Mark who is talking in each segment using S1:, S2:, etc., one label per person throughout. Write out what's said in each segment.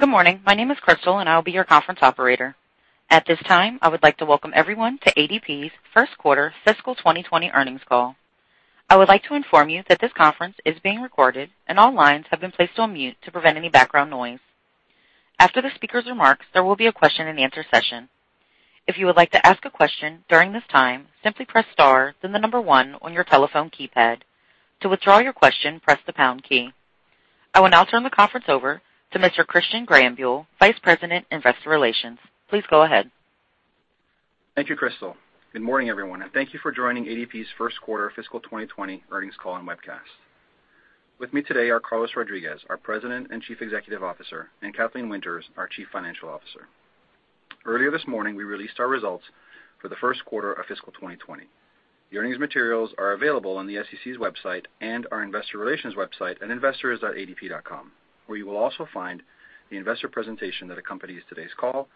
S1: Good morning. My name is Crystal, and I will be your conference operator. At this time, I would like to welcome everyone to ADP's 1st quarter fiscal 2020 earnings call. I would like to inform you that this conference is being recorded and all lines have been placed on mute to prevent any background noise. After the speaker's remarks, there will be a question and answer session. If you would like to ask a question during this time, simply press star then the number 1 on your telephone keypad. To withdraw your question, press the pound key. I will now turn the conference over to Mr. Christian Greyenbuhl, Vice President, Investor Relations. Please go ahead.
S2: Thank you, Crystal. Good morning, everyone, and thank you for joining ADP's first quarter fiscal 2020 earnings call and webcast. With me today are Carlos Rodriguez, our President and Chief Executive Officer, and Kathleen Winters, our Chief Financial Officer. Earlier this morning, we released our results for the first quarter of fiscal 2020. The earnings materials are available on the SEC's website and our investor relations website at investors.adp.com, where you will also find the investor presentation that accompanies today's call,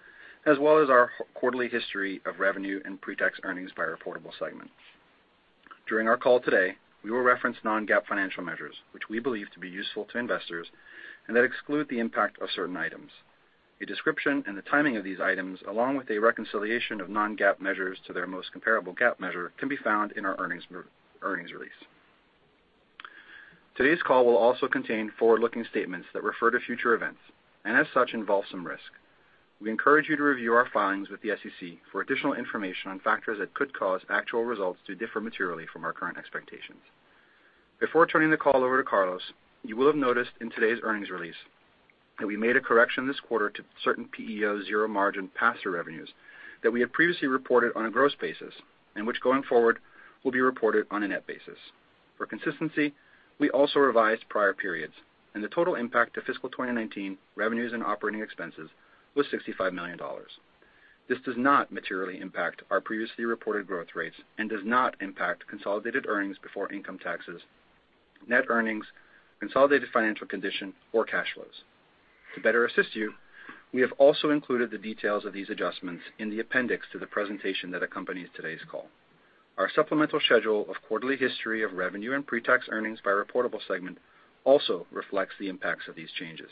S2: as well as our quarterly history of revenue and pre-tax earnings by reportable segment. During our call today, we will reference non-GAAP financial measures, which we believe to be useful to investors and that exclude the impact of certain items. A description and the timing of these items, along with a reconciliation of non-GAAP measures to their most comparable GAAP measure can be found in our earnings release. Today's call will also contain forward-looking statements that refer to future events and as such involve some risk. We encourage you to review our filings with the SEC for additional information on factors that could cause actual results to differ materially from our current expectations. Before turning the call over to Carlos, you will have noticed in today's earnings release that we made a correction this quarter to certain PEO zero margin pass-through revenues that we had previously reported on a gross basis and which going forward will be reported on a net basis. For consistency, we also revised prior periods, and the total impact to fiscal 2019 revenues and operating expenses was $65 million. This does not materially impact our previously reported growth rates and does not impact consolidated earnings before income taxes, net earnings, consolidated financial condition or cash flows. To better assist you, we have also included the details of these adjustments in the appendix to the presentation that accompanies today's call. Our supplemental schedule of quarterly history of revenue and pre-tax earnings by reportable segment also reflects the impacts of these changes.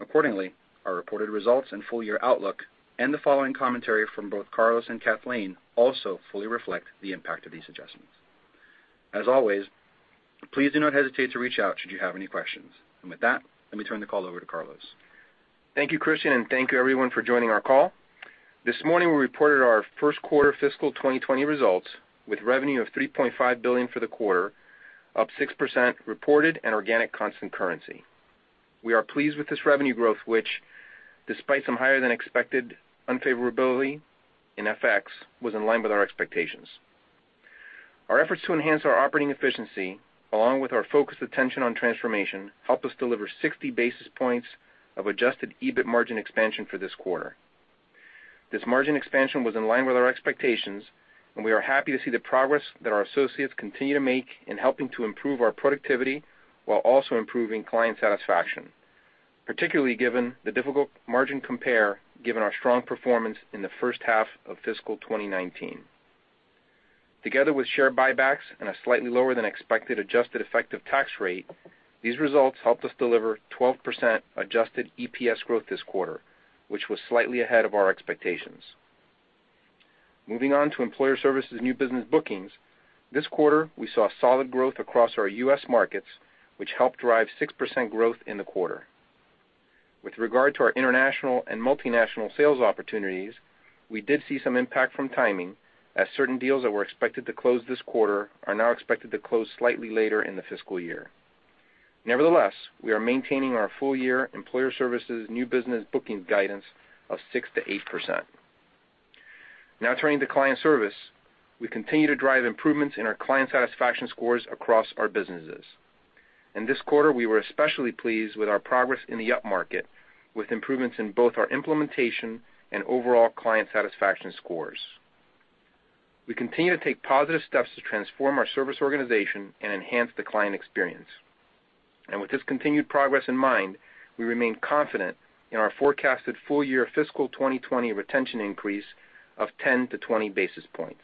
S2: Accordingly, our reported results and full year outlook and the following commentary from both Carlos and Kathleen also fully reflect the impact of these adjustments. As always, please do not hesitate to reach out should you have any questions. With that, let me turn the call over to Carlos.
S3: Thank you, Christian. Thank you everyone for joining our call. This morning we reported our first quarter fiscal 2020 results with revenue of $3.5 billion for the quarter, up 6% reported and organic constant currency. We are pleased with this revenue growth, which despite some higher than expected unfavorability in FX, was in line with our expectations. Our efforts to enhance our operating efficiency, along with our focused attention on transformation, helped us deliver 60 basis points of adjusted EBIT margin expansion for this quarter. This margin expansion was in line with our expectations, and we are happy to see the progress that our associates continue to make in helping to improve our productivity while also improving client satisfaction, particularly given the difficult margin compare given our strong performance in the first half of fiscal 2019. Together with share buybacks and a slightly lower than expected adjusted effective tax rate, these results helped us deliver 12% adjusted EPS growth this quarter, which was slightly ahead of our expectations. Moving on to Employer Services new business bookings. This quarter, we saw solid growth across our U.S. markets, which helped drive 6% growth in the quarter. With regard to our international and multinational sales opportunities, we did see some impact from timing, as certain deals that were expected to close this quarter are now expected to close slightly later in the fiscal year. Nevertheless, we are maintaining our full year Employer Services new business bookings guidance of 6%-8%. Now turning to client service. We continue to drive improvements in our client satisfaction scores across our businesses. In this quarter, we were especially pleased with our progress in the upmarket, with improvements in both our implementation and overall client satisfaction scores. We continue to take positive steps to transform our service organization and enhance the client experience. With this continued progress in mind, we remain confident in our forecasted full year fiscal 2020 retention increase of 10 to 20 basis points.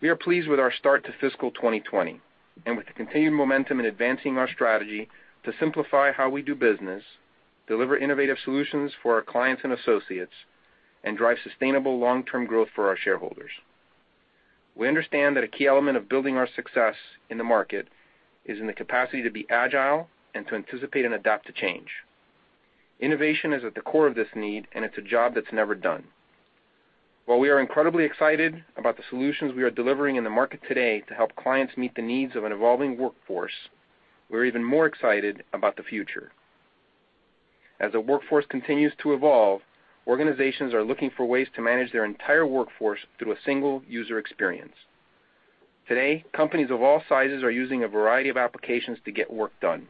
S3: We are pleased with our start to fiscal 2020 and with the continued momentum in advancing our strategy to simplify how we do business, deliver innovative solutions for our clients and associates, and drive sustainable long-term growth for our shareholders. We understand that a key element of building our success in the market is in the capacity to be agile and to anticipate and adapt to change. Innovation is at the core of this need, and it's a job that's never done. While we are incredibly excited about the solutions we are delivering in the market today to help clients meet the needs of an evolving workforce, we're even more excited about the future. As the workforce continues to evolve, organizations are looking for ways to manage their entire workforce through a single user experience. Today, companies of all sizes are using a variety of applications to get work done.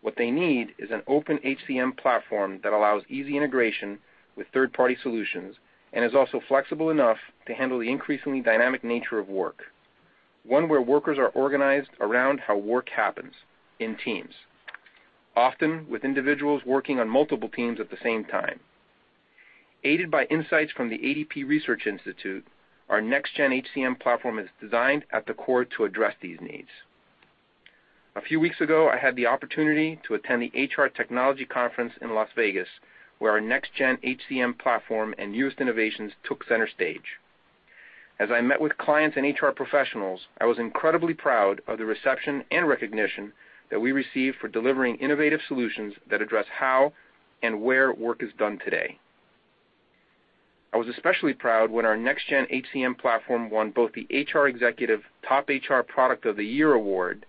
S3: What they need is an open HCM platform that allows easy integration with third-party solutions and is also flexible enough to handle the increasingly dynamic nature of work. One where workers are organized around how work happens, in teams, often with individuals working on multiple teams at the same time. Aided by insights from the ADP Research Institute, our next-gen HCM platform is designed at the core to address these needs. A few weeks ago, I had the opportunity to attend the HR Technology Conference in Las Vegas, where our next-gen HCM platform and newest innovations took center stage. As I met with clients and HR professionals, I was incredibly proud of the reception and recognition that we received for delivering innovative solutions that address how and where work is done today. I was especially proud when our next-gen HCM platform won both the HR Executive Top HR Product of the Year award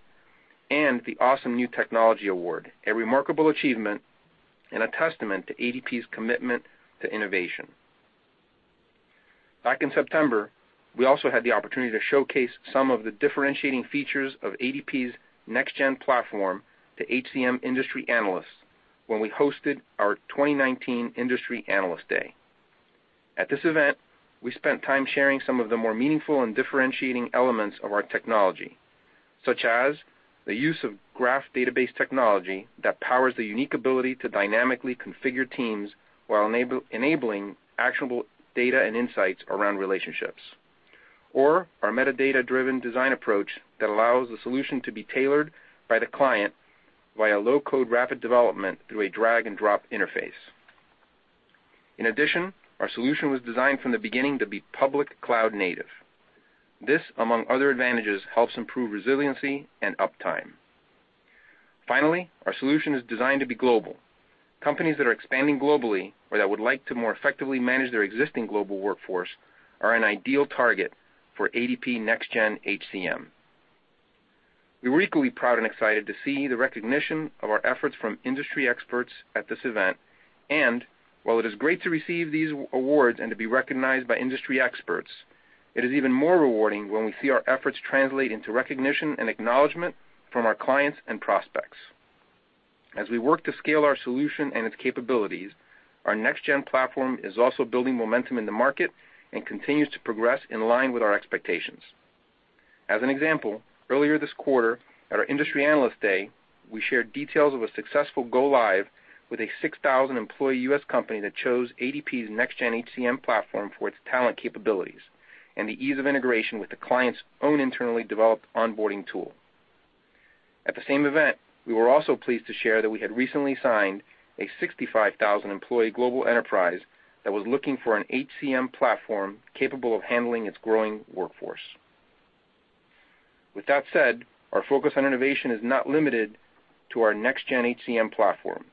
S3: and the Awesome New Technology award, a remarkable achievement and a testament to ADP's commitment to innovation. Back in September, we also had the opportunity to showcase some of the differentiating features of ADP's next gen platform to HCM industry analysts when we hosted our 2019 Industry Analyst Day. At this event, we spent time sharing some of the more meaningful and differentiating elements of our technology, such as the use of graph database technology that powers the unique ability to dynamically configure teams while enabling actionable data and insights around relationships, or our metadata-driven design approach that allows the solution to be tailored by the client via low-code rapid development through a drag-and-drop interface. Our solution was designed from the beginning to be public cloud native. This, among other advantages, helps improve resiliency and uptime. Our solution is designed to be global. Companies that are expanding globally or that would like to more effectively manage their existing global workforce are an ideal target for ADP next-gen HCM. We were equally proud and excited to see the recognition of our efforts from industry experts at this event. While it is great to receive these awards and to be recognized by industry experts, it is even more rewarding when we see our efforts translate into recognition and acknowledgment from our clients and prospects. As we work to scale our solution and its capabilities, our next gen platform is also building momentum in the market and continues to progress in line with our expectations. As an example, earlier this quarter at our Industry Analyst Day, we shared details of a successful go-live with a 6,000-employee U.S. company that chose ADP's next-gen HCM platform for its talent capabilities and the ease of integration with the client's own internally developed onboarding tool. At the same event, we were also pleased to share that we had recently signed a 65,000-employee global enterprise that was looking for an HCM platform capable of handling its growing workforce. With that said, our focus on innovation is not limited to our next-gen HCM platform.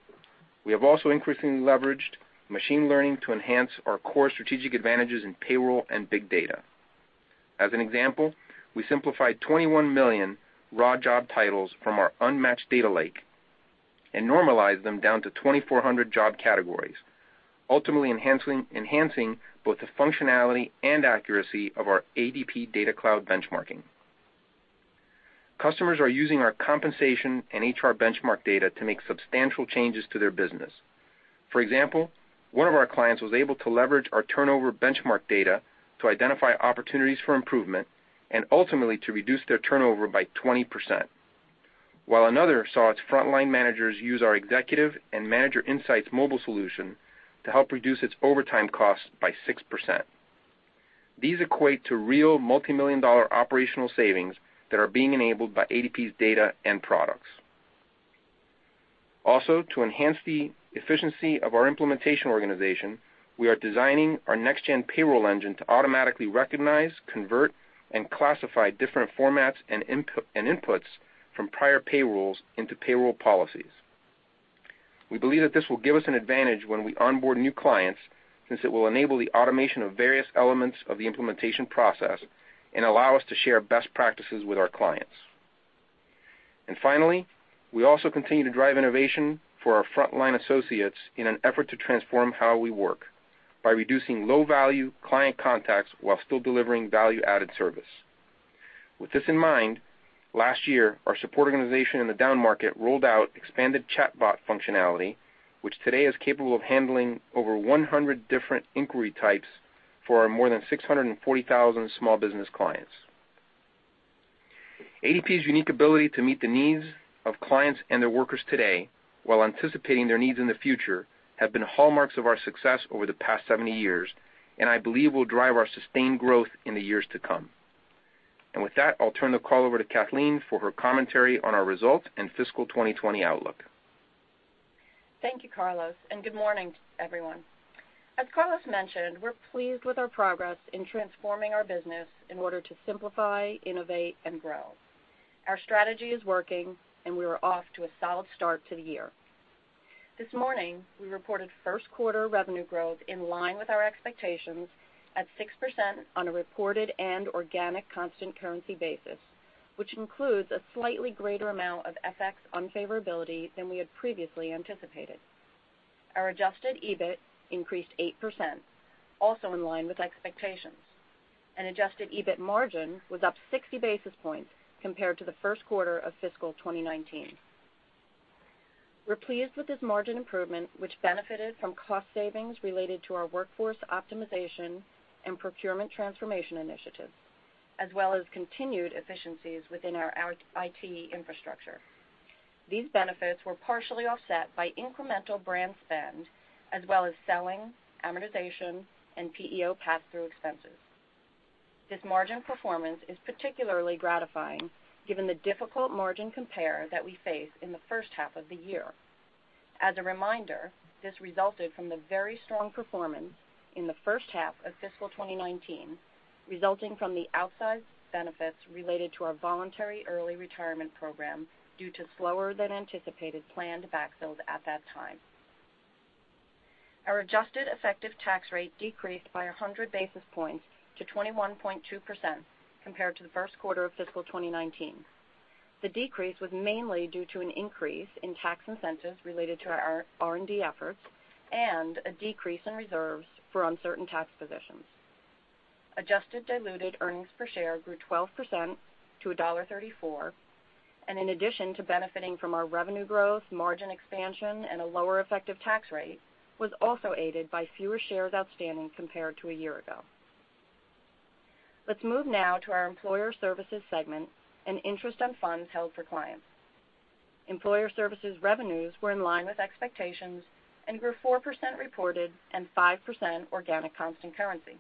S3: We have also increasingly leveraged machine learning to enhance our core strategic advantages in payroll and big data. As an example, ADP simplified 21 million raw job titles from our unmatched data lake and normalized them down to 2,400 job categories, ultimately enhancing both the functionality and accuracy of our ADP DataCloud benchmarking. Customers are using our compensation and HR benchmark data to make substantial changes to their business. For example, one of our clients was able to leverage our turnover benchmark data to identify opportunities for improvement and ultimately to reduce their turnover by 20%, while another saw its frontline managers use our executive and manager insights mobile solution to help reduce its overtime costs by 6%. These equate to real multimillion-dollar operational savings that are being enabled by ADP's data and products. To enhance the efficiency of our implementation organization, we are designing our next gen payroll engine to automatically recognize, convert, and classify different formats and inputs from prior payrolls into payroll policies. We believe that this will give us an advantage when we onboard new clients, since it will enable the automation of various elements of the implementation process and allow us to share best practices with our clients. We also continue to drive innovation for our frontline associates in an effort to transform how we work by reducing low-value client contacts while still delivering value-added service. With this in mind, last year, our support organization in the down market rolled out expanded chatbot functionality, which today is capable of handling over 100 different inquiry types for our more than 640,000 small business clients. ADP's unique ability to meet the needs of clients and their workers today while anticipating their needs in the future have been hallmarks of our success over the past 70 years, and I believe will drive our sustained growth in the years to come. With that, I'll turn the call over to Kathleen for her commentary on our results and fiscal 2020 outlook.
S4: Thank you, Carlos, and good morning, everyone. As Carlos mentioned, we're pleased with our progress in transforming our business in order to simplify, innovate, and grow. Our strategy is working, and we are off to a solid start to the year. This morning, we reported first quarter revenue growth in line with our expectations at 6% on a reported and organic constant currency basis, which includes a slightly greater amount of FX unfavorability than we had previously anticipated. Our adjusted EBIT increased 8%, also in line with expectations, and adjusted EBIT margin was up 60 basis points compared to the first quarter of fiscal 2019. We're pleased with this margin improvement, which benefited from cost savings related to our workforce optimization and procurement transformation initiatives, as well as continued efficiencies within our IT infrastructure. These benefits were partially offset by incremental brand spend as well as selling, amortization, and PEO pass-through expenses. This margin performance is particularly gratifying given the difficult margin compare that we faced in the first half of the year. As a reminder, this resulted from the very strong performance in the first half of fiscal 2019, resulting from the outsized benefits related to our voluntary early retirement program due to slower than anticipated planned backfills at that time. Our adjusted effective tax rate decreased by 100 basis points to 21.2% compared to the first quarter of fiscal 2019. The decrease was mainly due to an increase in tax incentives related to our R&D efforts and a decrease in reserves for uncertain tax positions. In addition to benefiting from our revenue growth, margin expansion, and a lower effective tax rate, adjusted diluted earnings per share grew 12% to $1.34, was also aided by fewer shares outstanding compared to a year ago. Let's move now to our Employer Services segment and interest on funds held for clients. Employer Services revenues were in line with expectations and grew 4% reported and 5% organic constant currency.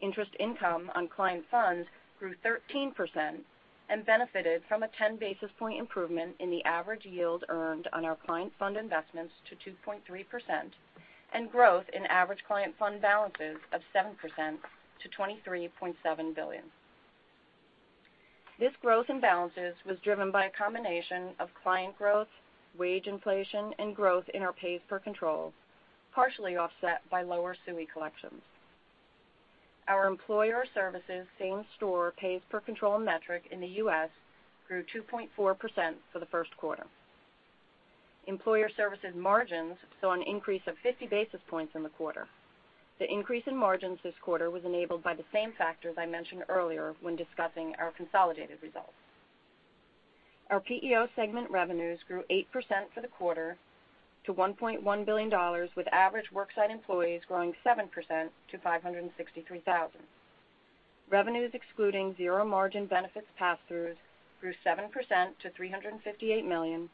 S4: Interest income on client funds grew 13% and benefited from a 10 basis point improvement in the average yield earned on our client fund investments to 2.3% and growth in average client fund balances of 7% to $23.7 billion. This growth in balances was driven by a combination of client growth, wage inflation, and growth in our pays per control, partially offset by lower SUI collections. Our Employer Services same store pays per control metric in the U.S. grew 2.4% for the first quarter. Employer Services margins saw an increase of 50 basis points in the quarter. The increase in margins this quarter was enabled by the same factors I mentioned earlier when discussing our consolidated results. Our PEO segment revenues grew 8% for the quarter to $1.1 billion, with average worksite employees growing 7% to 563,000. Revenues excluding zero margin benefits pass-throughs grew 7% to $358 million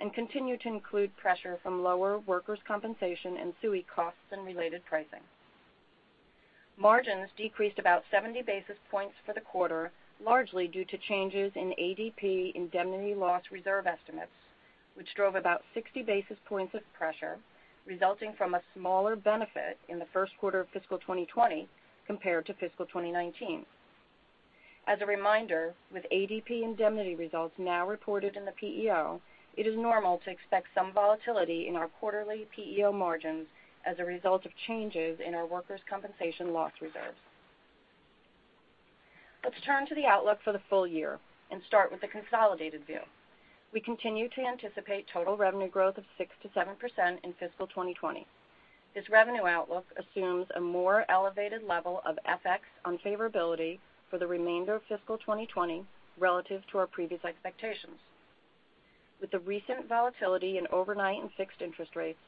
S4: and continue to include pressure from lower workers' compensation and SUI costs and related pricing. Margins decreased about 70 basis points for the quarter, largely due to changes in ADP Indemnity loss reserve estimates, which drove about 60 basis points of pressure, resulting from a smaller benefit in the first quarter of fiscal 2020 compared to fiscal 2019. As a reminder, with ADP Indemnity results now reported in the PEO, it is normal to expect some volatility in our quarterly PEO margins as a result of changes in our workers' compensation loss reserves. Let's turn to the outlook for the full year and start with the consolidated view. We continue to anticipate total revenue growth of 6%-7% in fiscal 2020. This revenue outlook assumes a more elevated level of FX unfavorability for the remainder of fiscal 2020 relative to our previous expectations. With the recent volatility in overnight and fixed interest rates,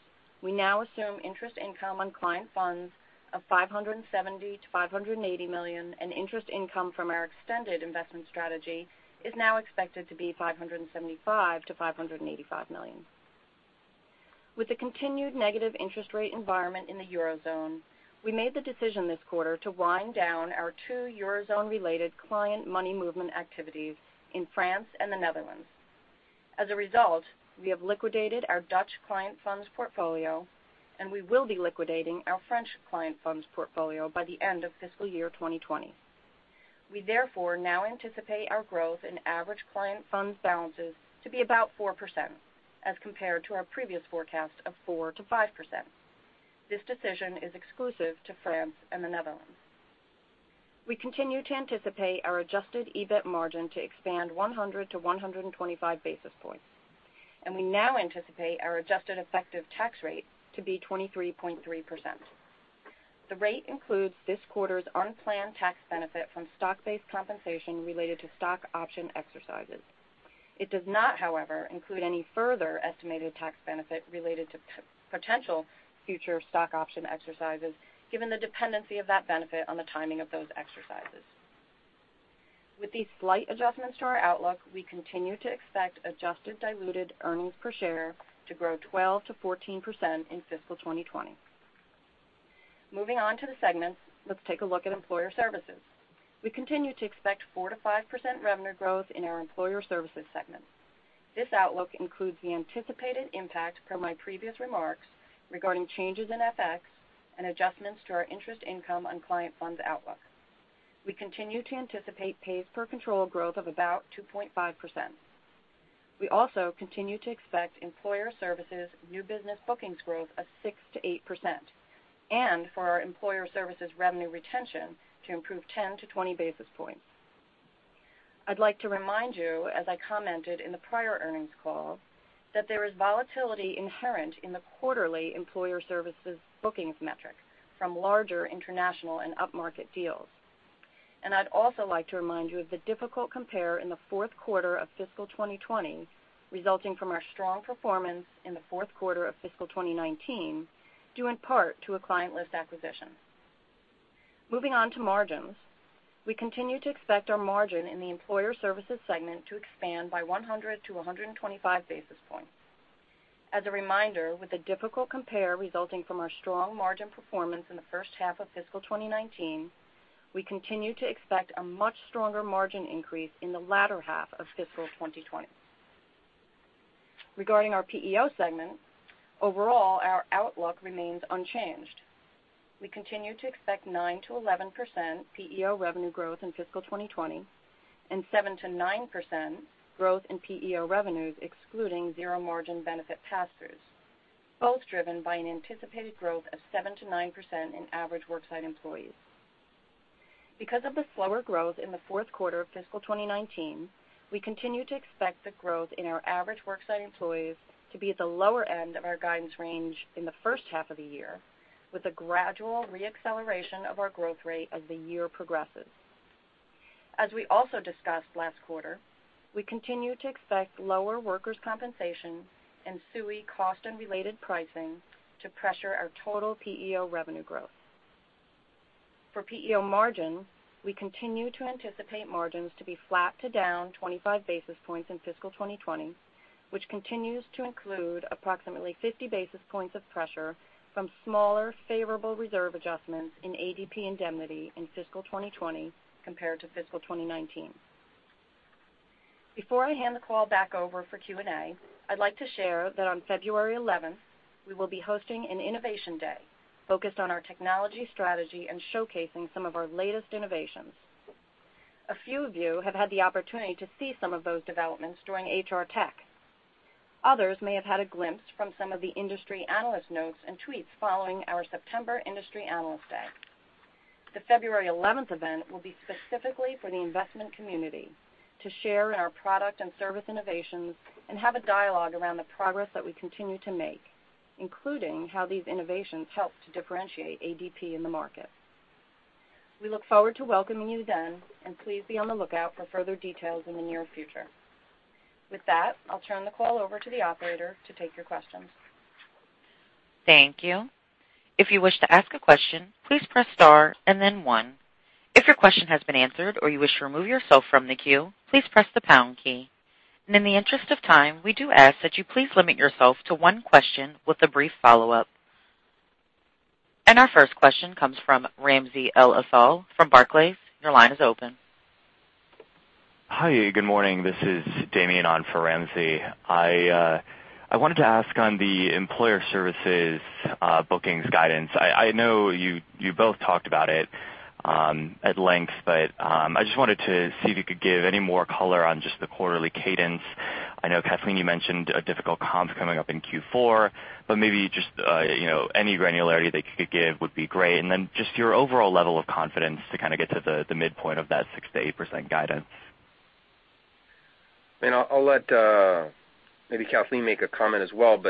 S4: we now assume interest income on client funds of $570 million-$580 million, and interest income from our extended investment strategy is now expected to be $575 million-$585 million. With the continued negative interest rate environment in the Eurozone, we made the decision this quarter to wind down our two Eurozone-related client money movement activities in France and the Netherlands. As a result, we have liquidated our Dutch client funds portfolio, and we will be liquidating our French client funds portfolio by the end of fiscal year 2020. We therefore now anticipate our growth in average client funds balances to be about 4%, as compared to our previous forecast of 4%-5%. This decision is exclusive to France and the Netherlands. We continue to anticipate our adjusted EBIT margin to expand 100 to 125 basis points, and we now anticipate our adjusted effective tax rate to be 23.3%. The rate includes this quarter's unplanned tax benefit from stock-based compensation related to stock option exercises. It does not, however, include any further estimated tax benefit related to potential future stock option exercises, given the dependency of that benefit on the timing of those exercises. With these slight adjustments to our outlook, we continue to expect adjusted diluted earnings per share to grow 12%-14% in fiscal 2020. Moving on to the segments, let's take a look at Employer Services. We continue to expect 4%-5% revenue growth in our Employer Services segment. This outlook includes the anticipated impact from my previous remarks regarding changes in FX and adjustments to our interest income on client funds outlook. We continue to anticipate pays per control growth of about 2.5%. We also continue to expect Employer Services new business bookings growth of 6%-8% and for our Employer Services revenue retention to improve 10-20 basis points. I'd like to remind you, as I commented in the prior earnings call, that there is volatility inherent in the quarterly Employer Services bookings metrics from larger international and upmarket deals. I'd also like to remind you of the difficult compare in the fourth quarter of fiscal 2020 resulting from our strong performance in the fourth quarter of fiscal 2019, due in part to a client list acquisition. Moving on to margins. We continue to expect our margin in the Employer Services segment to expand by 100-125 basis points. As a reminder, with a difficult compare resulting from our strong margin performance in the first half of fiscal 2019, we continue to expect a much stronger margin increase in the latter half of fiscal 2020. Regarding our PEO segment, overall, our outlook remains unchanged. We continue to expect 9%-11% PEO revenue growth in fiscal 2020 and 7%-9% growth in PEO revenues excluding zero margin benefit pass-throughs, both driven by an anticipated growth of 7%-9% in average worksite employees. Because of the slower growth in the fourth quarter of fiscal 2019, we continue to expect the growth in our average worksite employees to be at the lower end of our guidance range in the first half of the year, with a gradual re-acceleration of our growth rate as the year progresses. As we also discussed last quarter, we continue to expect lower workers' compensation and SUI cost and related pricing to pressure our total PEO revenue growth. For PEO margin, we continue to anticipate margins to be flat to down 25 basis points in fiscal 2020, which continues to include approximately 50 basis points of pressure from smaller favorable reserve adjustments in ADP Indemnity in fiscal 2020 compared to fiscal 2019. Before I hand the call back over for Q&A, I'd like to share that on February 11th, we will be hosting an Innovation Day focused on our technology strategy and showcasing some of our latest innovations. A few of you have had the opportunity to see some of those developments during HR Tech. Others may have had a glimpse from some of the industry analyst notes and tweets following our September Industry Analyst Day. The February 11th event will be specifically for the investment community to share in our product and service innovations and have a dialogue around the progress that we continue to make, including how these innovations help to differentiate ADP in the market. We look forward to welcoming you then, and please be on the lookout for further details in the near future. With that, I'll turn the call over to the operator to take your questions.
S1: Thank you. If you wish to ask a question, please press star and then one. If your question has been answered or you wish to remove yourself from the queue, please press the pound key. In the interest of time, we do ask that you please limit yourself to one question with a brief follow-up. Our first question comes from Ramsey El-Assal from Barclays. Your line is open.
S5: Hi, good morning. This is Damian on for Ramsey. I wanted to ask on the Employer Services bookings guidance. I know you both talked about it at length, but I just wanted to see if you could give any more color on just the quarterly cadence. I know, Kathleen, you mentioned a difficult comp coming up in Q4, but maybe just any granularity that you could give would be great. Then just your overall level of confidence to get to the midpoint of that 6%-8% guidance.
S3: I'll let maybe Kathleen make a comment as well.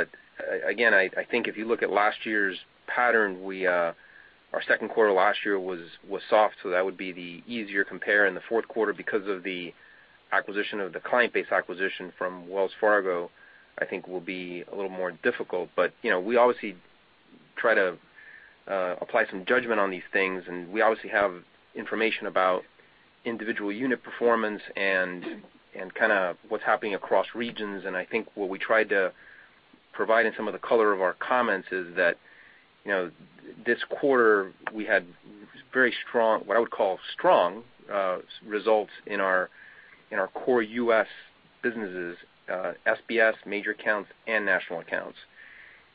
S3: Again, I think if you look at last year's pattern, our second quarter last year was soft. That would be the easier compare. In the fourth quarter, because of the client base acquisition from Wells Fargo, I think will be a little more difficult. We obviously try to apply some judgment on these things. We obviously have information about individual unit performance and what's happening across regions. I think what we tried to provide in some of the color of our comments is that this quarter we had what I would call strong results in our core U.S. businesses, SBS, major accounts, and national accounts.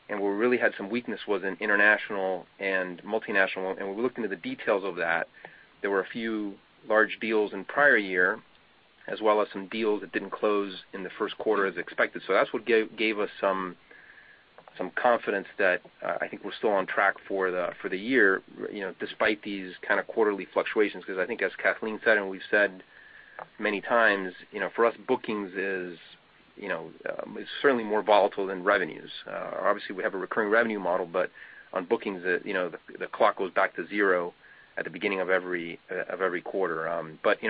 S3: Where we really had some weakness was in international and multinational, and when we look into the details of that, there were a few large deals in prior year, as well as some deals that didn't close in the first quarter as expected. That's what gave us some confidence that I think we're still on track for the year despite these kind of quarterly fluctuations, because I think as Kathleen said, and we've said many times, for us, bookings is certainly more volatile than revenues. Obviously, we have a recurring revenue model, but on bookings, the clock goes back to zero at the beginning of every quarter.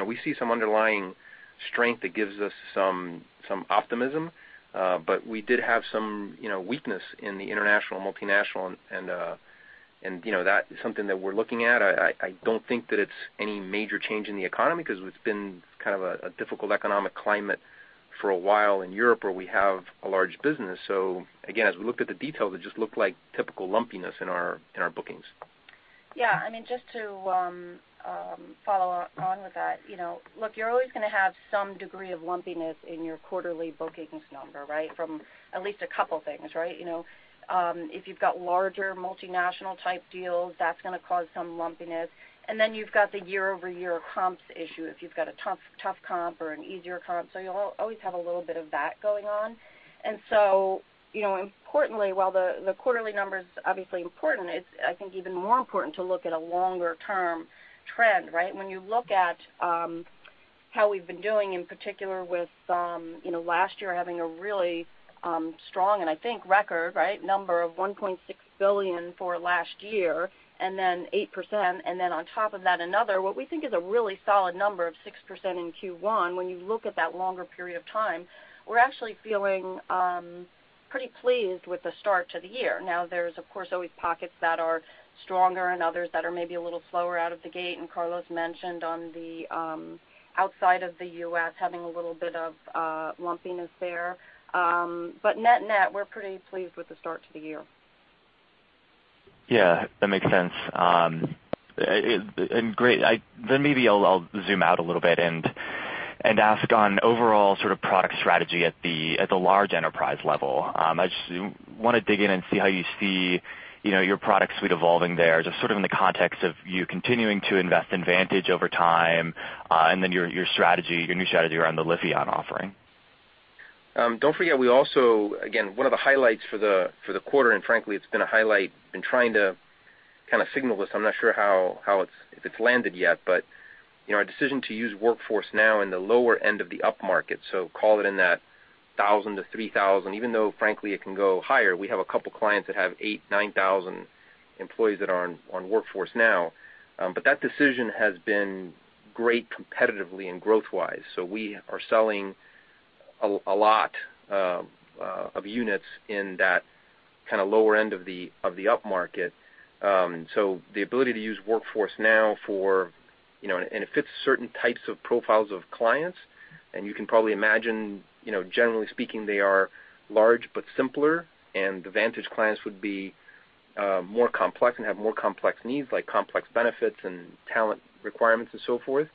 S3: We see some underlying strength that gives us some optimism. We did have some weakness in the international, multinational, and that is something that we're looking at.
S4: I don't think that it's any major change in the economy because it's been a difficult economic climate for a while in Europe where we have a large business. Again, as we look at the details, it just looked like typical lumpiness in our bookings. Yeah, just to follow on with that. Look, you're always going to have some degree of lumpiness in your quarterly bookings number, from at least a couple things. If you've got larger multinational type deals, that's going to cause some lumpiness. You've got the year-over-year comps issue if you've got a tough comp or an easier comp. You'll always have a little bit of that going on. Importantly, while the quarterly number is obviously important, it's I think even more important to look at a longer-term trend. When you look at how we've been doing, in particular with last year having a really strong, and I think record number of $1.6 billion for last year, and then 8%, and then on top of that, another, what we think is a really solid number of 6% in Q1. When you look at that longer period of time, we're actually feeling pretty pleased with the start to the year. There's of course, always pockets that are stronger and others that are maybe a little slower out of the gate, and Carlos mentioned on the outside of the U.S. having a little bit of lumpiness there. Net, we're pretty pleased with the start to the year.
S5: Yeah, that makes sense. Great. Maybe I'll zoom out a little bit and ask on overall product strategy at the large enterprise level. I just want to dig in and see how you see your product suite evolving there, just in the context of you continuing to invest in Vantage over time, and then your new strategy around the Lifion offering.
S3: Don't forget, we also, again, one of the highlights for the quarter, and frankly, it's been a highlight, been trying to kind of signal this. I'm not sure if it's landed yet. Our decision to use Workforce Now in the lower end of the upmarket, call it in that 1,000 to 3,000, even though frankly it can go higher. We have a couple of clients that have 8,000, 9,000 employees that are on Workforce Now. That decision has been great competitively and growth-wise. We are selling a lot of units in that lower end of the upmarket. The ability to use Workforce Now for, and it fits certain types of profiles of clients, and you can probably imagine, generally speaking, they are large but simpler, and the Vantage clients would be more complex and have more complex needs, like complex benefits and talent requirements and so forth.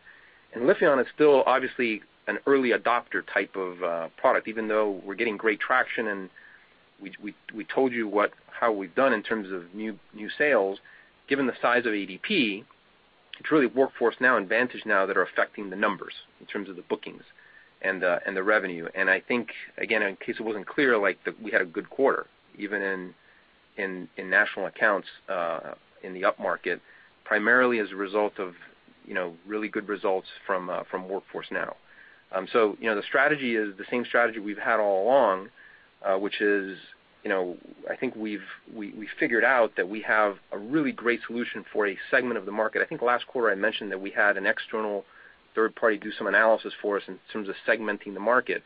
S3: Lifion is still obviously an early adopter type of product, even though we're getting great traction, and we told you how we've done in terms of new sales. Given the size of ADP, it's really Workforce Now and Vantage now that are affecting the numbers in terms of the bookings and the revenue. I think, again, in case it wasn't clear, we had a good quarter, even in national accounts, in the upmarket, primarily as a result of really good results from Workforce Now. The strategy is the same strategy we've had all along, which is I think we've figured out that we have a really great solution for a segment of the market. I think last quarter I mentioned that we had an external third party do some analysis for us in terms of segmenting the market.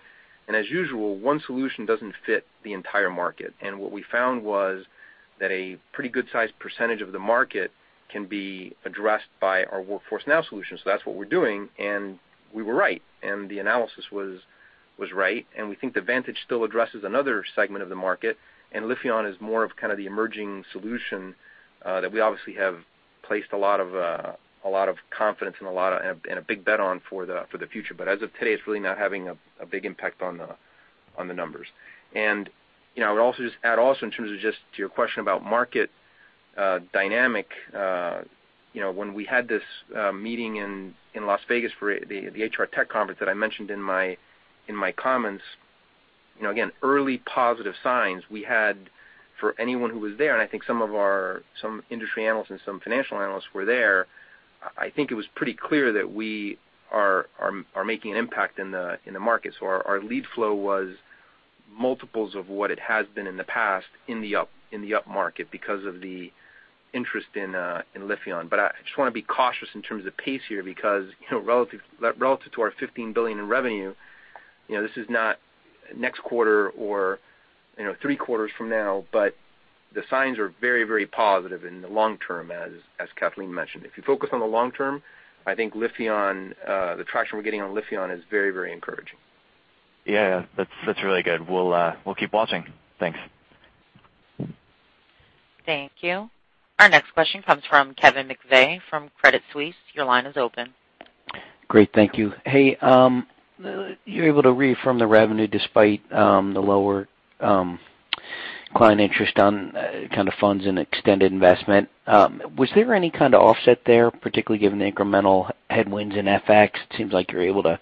S3: As usual, one solution doesn't fit the entire market. What we found was that a pretty good size percentage of the market can be addressed by our ADP Workforce Now solution. That's what we're doing, and we were right, and the analysis was right, and we think that ADP Vantage HCM still addresses another segment of the market, and Lifion is more of the emerging solution that we obviously have placed a lot of confidence and a big bet on for the future. As of today, it's really not having a big impact on the numbers. I would also just add in terms of just to your question about market dynamic, when we had this meeting in Las Vegas for the HR Tech Conference that I mentioned in my comments, again, early positive signs we had for anyone who was there, and I think some industry analysts and some financial analysts were there. I think it was pretty clear that we are making an impact in the market. Our lead flow was multiples of what it has been in the past in the upmarket because of the interest in Lifion. I just want to be cautious in terms of pace here, because relative to our $15 billion in revenue, this is not next quarter or three quarters from now, but the signs are very positive in the long term, as Kathleen mentioned. If you focus on the long term, I think the traction we're getting on Lifion is very encouraging.
S5: Yeah. That's really good. We'll keep watching. Thanks.
S1: Thank you. Our next question comes from Kevin McVeigh from Credit Suisse. Your line is open.
S6: Great. Thank you. Hey, you're able to reaffirm the revenue despite the lower client interest on client funds and extended investment. Was there any kind of offset there, particularly given the incremental headwinds in FX? It seems like you're able to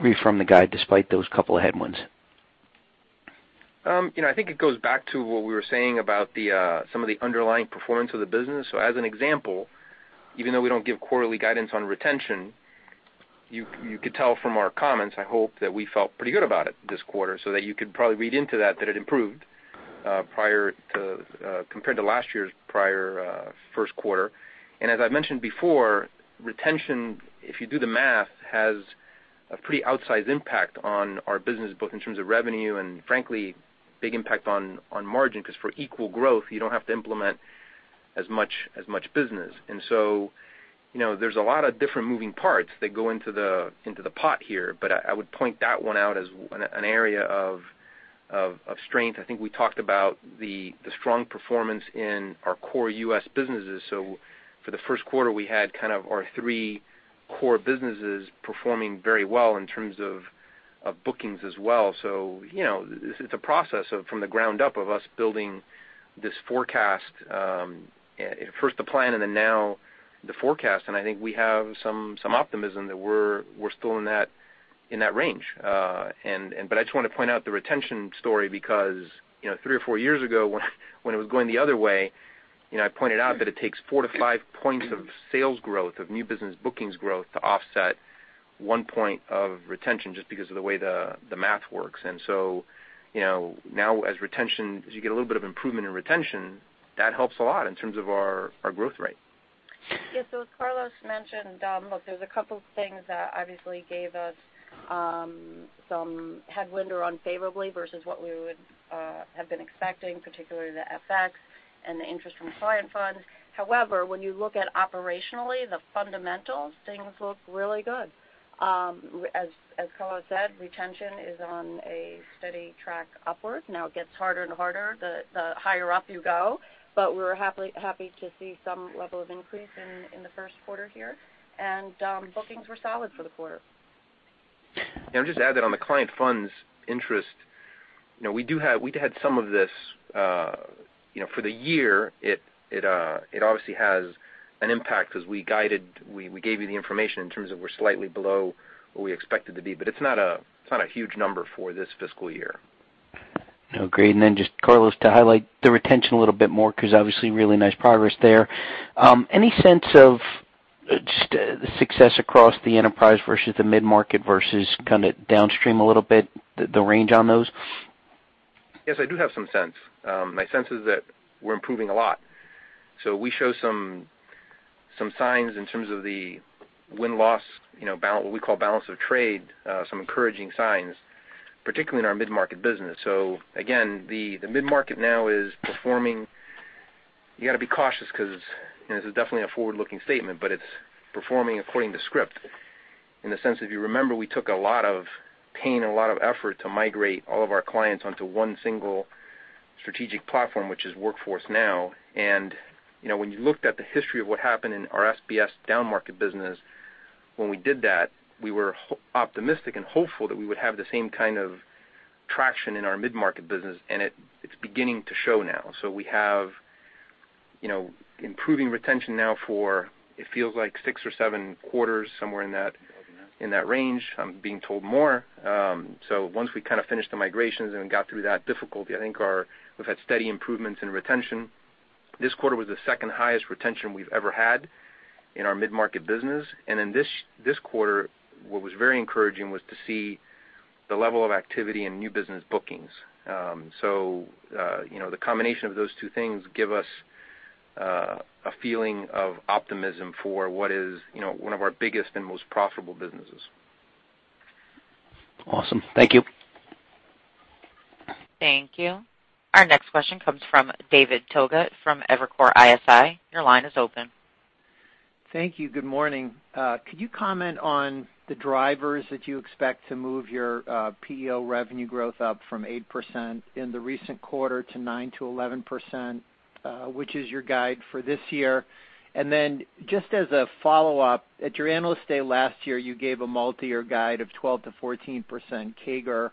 S6: reaffirm the guide despite those couple of headwinds.
S3: I think it goes back to what we were saying about some of the underlying performance of the business. As an example, even though we don't give quarterly guidance on retention, you could tell from our comments, I hope, that we felt pretty good about it this quarter, that you could probably read into that it improved compared to last year's first quarter. As I mentioned before, retention, if you do the math, has a pretty outsized impact on our business, both in terms of revenue and frankly, big impact on margin, because for equal growth, you don't have to implement as much business. There's a lot of different moving parts that go into the pot here, but I would point that one out as an area of strength. I think we talked about the strong performance in our core U.S. businesses. For the first quarter, we had our three core businesses performing very well in terms of bookings as well. It's a process from the ground up of us building this forecast, first the plan and then now the forecast, and I think we have some optimism that we're still in that range. I just want to point out the retention story, because 3 or 4 years ago, when it was going the other way, I pointed out that it takes 4 to 5 points of sales growth, of new business bookings growth to offset one point of retention, just because of the way the math works. Now as you get a little bit of improvement in retention, that helps a lot in terms of our growth rate.
S4: Yes. As Carlos mentioned, look, there's a couple things that obviously gave us some headwind or unfavorably versus what we would have been expecting, particularly the FX and the interest from client funds. However, when you look at operationally the fundamentals, things look really good. As Carlos said, retention is on a steady track upward. Now it gets harder and harder the higher up you go, but we're happy to see some level of increase in the first quarter here, and bookings were solid for the quarter.
S3: I'll just add that on the client funds interest, we'd had some of this for the year. It obviously has an impact because we gave you the information in terms of we're slightly below where we expected to be, but it's not a huge number for this fiscal year.
S6: Okay. Just, Carlos, to highlight the retention a little bit more, because obviously really nice progress there. Any sense of just the success across the enterprise versus the mid-market versus kind of downstream a little bit, the range on those?
S3: Yes, I do have some sense. My sense is that we're improving a lot. We show some signs in terms of the win-loss, what we call balance of trade, some encouraging signs, particularly in our mid-market business. Again, the mid-market now is performing You got to be cautious because this is definitely a forward-looking statement, but it's performing according to script, in the sense, if you remember, we took a lot of pain and a lot of effort to migrate all of our clients onto one single strategic platform, which is Workforce Now. When you looked at the history of what happened in our SBS down market business when we did that, we were optimistic and hopeful that we would have the same kind of traction in our mid-market business, and it's beginning to show now. We have improving retention now for, it feels like six or seven quarters, somewhere in that range. I'm being told more. Once we kind of finished the migrations and got through that difficulty, I think we've had steady improvements in retention. This quarter was the second highest retention we've ever had in our mid-market business. In this quarter, what was very encouraging was to see the level of activity in new business bookings. The combination of those two things give us a feeling of optimism for what is one of our biggest and most profitable businesses.
S6: Awesome. Thank you.
S1: Thank you. Our next question comes from David Togut from Evercore ISI. Your line is open.
S7: Thank you. Good morning. Could you comment on the drivers that you expect to move your PEO revenue growth up from 8% in the recent quarter to 9%-11%, which is your guide for this year? Just as a follow-up, at your Analyst Day last year, you gave a multi-year guide of 12%-14% CAGR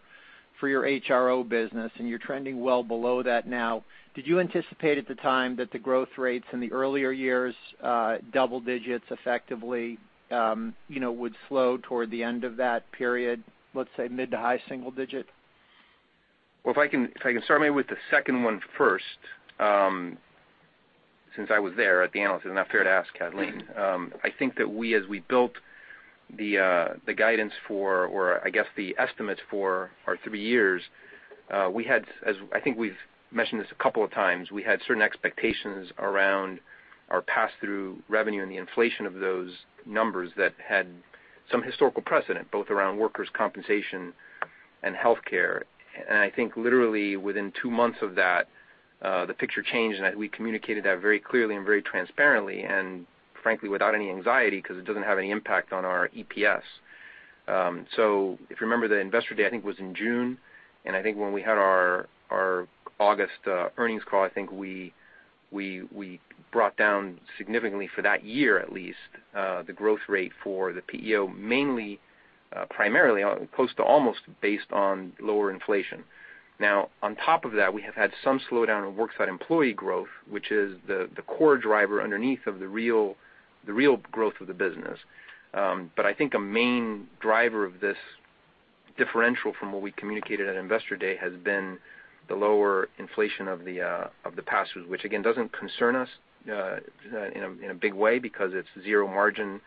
S7: for your HRO business. You're trending well below that now. Did you anticipate at the time that the growth rates in the earlier years, double digits, effectively, would slow toward the end of that period, let's say mid to high single digit?
S3: Well, if I can start maybe with the second one first, since I was there at the Analyst Day, not fair to ask Kathleen. I think that as we built the guidance for, or I guess the estimates for our three years, I think we've mentioned this a couple of times, we had certain expectations around our pass-through revenue and the inflation of those numbers that had some historical precedent, both around workers' compensation and healthcare. I think literally within two months of that, the picture changed, and we communicated that very clearly and very transparently and, frankly, without any anxiety, because it doesn't have any impact on our EPS. If you remember, the Investor Day, I think, was in June, and I think when we had our August earnings call, I think we brought down significantly for that year at least, the growth rate for the PEO, mainly, primarily, close to almost based on lower inflation. On top of that, we have had some slowdown of worksite employee growth, which is the core driver underneath of the real growth of the business. I think a main driver of this differential from what we communicated at Investor Day has been the lower inflation of the pass-through, which, again, doesn't concern us in a big way because it's zero margin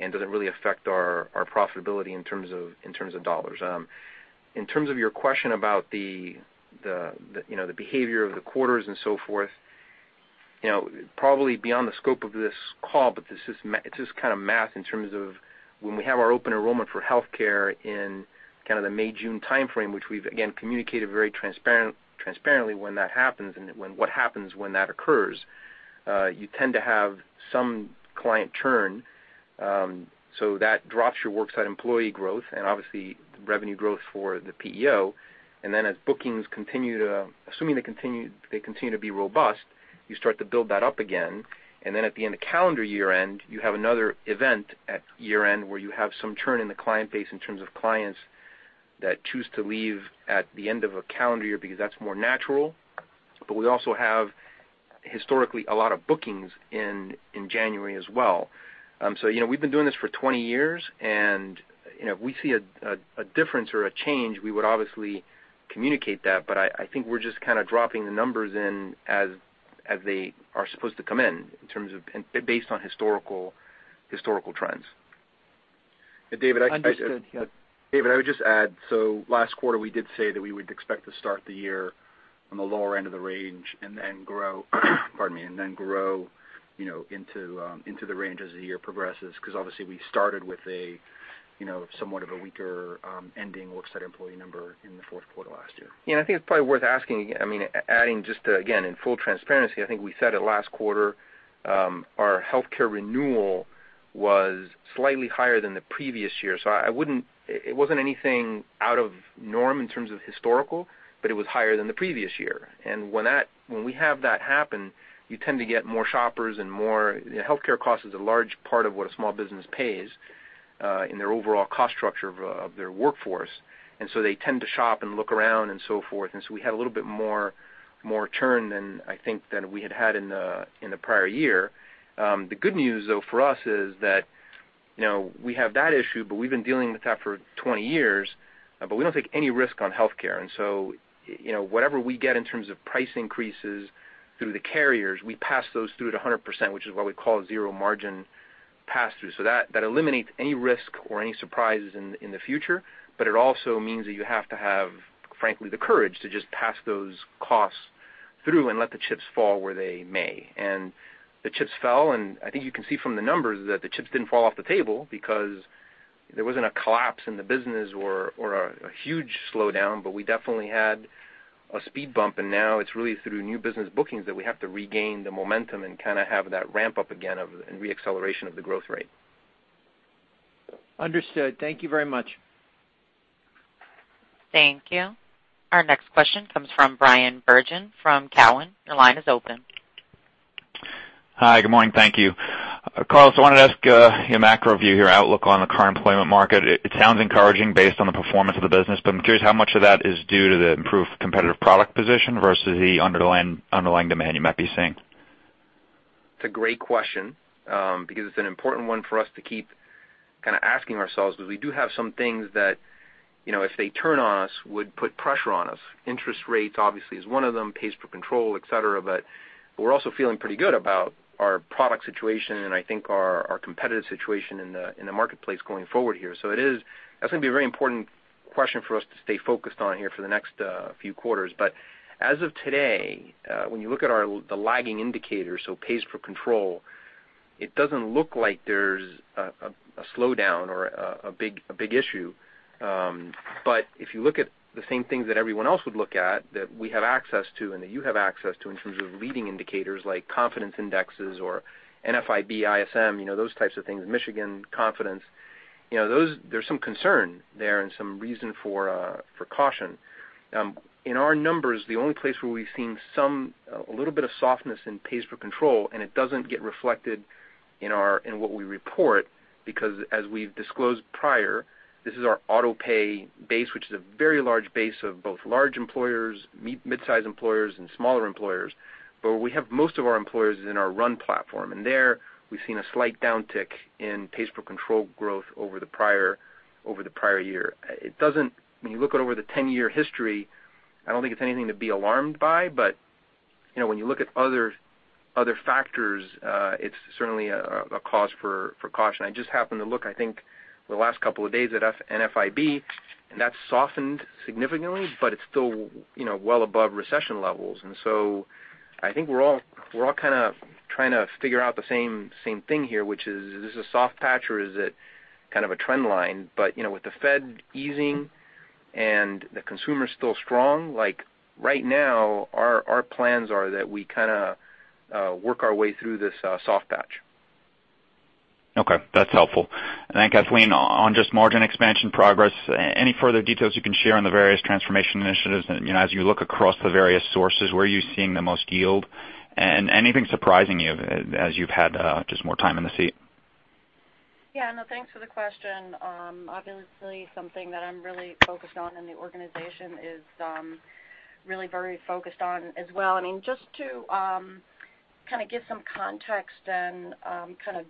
S3: and doesn't really affect our profitability in terms of dollars. In terms of your question about the behavior of the quarters and so forth, probably beyond the scope of this call, but it's just kind of math in terms of when we have our open enrollment for healthcare in kind of the May, June timeframe, which we've, again, communicated very transparently when that happens and what happens when that occurs. You tend to have some client churn, so that drops your worksite employee growth and obviously the revenue growth for the PEO. As bookings continue to Assuming they continue to be robust, you start to build that up again, and then at the end of calendar year-end, you have another event at year-end where you have some churn in the client base in terms of clients that choose to leave at the end of a calendar year, because that's more natural. We also have, historically, a lot of bookings in January as well. We've been doing this for 20 years, and if we see a difference or a change, we would obviously communicate that. I think we're just kind of dropping the numbers in as they are supposed to come in, based on historical trends.
S7: Understood, yeah.
S3: David, I would just add. Last quarter, we did say that we would expect to start the year on the lower end of the range and then grow into the range as the year progresses, because obviously we started with somewhat of a weaker ending worksite employee number in the fourth quarter last year. I think it's probably worth asking, I mean, adding just again, in full transparency, I think we said it last quarter our healthcare renewal was slightly higher than the previous year. It wasn't anything out of norm in terms of historical, but it was higher than the previous year. When we have that happen, you tend to get more shoppers and more healthcare cost is a large part of what a small business pays in their overall cost structure of their workforce. They tend to shop and look around and so forth. We had a little bit more churn, I think, than we had in the prior year. The good news, though, for us is that we have that issue, but we've been dealing with that for 20 years, but we don't take any risk on healthcare. Whatever we get in terms of price increases through the carriers, we pass those through at 100%, which is what we call zero margin pass-through. That eliminates any risk or any surprises in the future, but it also means that you have to have, frankly, the courage to just pass those costs through and let the chips fall where they may. The chips fell. I think you can see from the numbers that the chips didn't fall off the table because there wasn't a collapse in the business or a huge slowdown. We definitely had a speed bump. Now it's really through new business bookings that we have to regain the momentum and have that ramp up again of, and re-acceleration of the growth rate.
S7: Understood. Thank you very much.
S1: Thank you. Our next question comes from Bryan Bergin from Cowen. Your line is open.
S8: Hi, good morning. Thank you. Carlos, I wanted to ask your macro view here, outlook on the current employment market. It sounds encouraging based on the performance of the business, but I'm curious how much of that is due to the improved competitive product position versus the underlying demand you might be seeing.
S3: It's a great question, because it's an important one for us to keep asking ourselves, because we do have some things that, if they turn on us, would put pressure on us. Interest rates obviously is one of them, pays per control, et cetera. We're also feeling pretty good about our product situation and I think our competitive situation in the marketplace going forward here. That's going to be a very important question for us to stay focused on here for the next few quarters. As of today, when you look at the lagging indicators, so pays per control, it doesn't look like there's a slowdown or a big issue. If you look at the same things that everyone else would look at, that we have access to and that you have access to in terms of leading indicators like confidence indexes or NFIB, ISM, those types of things, Michigan confidence, there's some concern there and some reason for caution. In our numbers, the only place where we've seen a little bit of softness in pays per control, and it doesn't get reflected in what we report, because as we've disclosed prior, this is our auto-pay base, which is a very large base of both large employers, mid-size employers, and smaller employers, but we have most of our employers in our run platform. There we've seen a slight downtick in pays per control growth over the prior year. When you look at over the 10-year history, I don't think it's anything to be alarmed by, but when you look at other factors, it's certainly a cause for caution. I just happened to look, I think, the last couple of days at NFIB, and that's softened significantly, but it's still well above recession levels. I think we're all trying to figure out the same thing here, which is this a soft patch or is it kind of a trend line? With the Fed easing and the consumer still strong, right now our plans are that we work our way through this soft patch.
S8: Okay. That's helpful. Kathleen, on just margin expansion progress, any further details you can share on the various transformation initiatives? As you look across the various sources, where are you seeing the most yield? Anything surprising you as you've had just more time in the seat?
S4: Yeah. No, thanks for the question. Obviously, something that I'm really focused on and the organization is really very focused on as well. Just to give some context and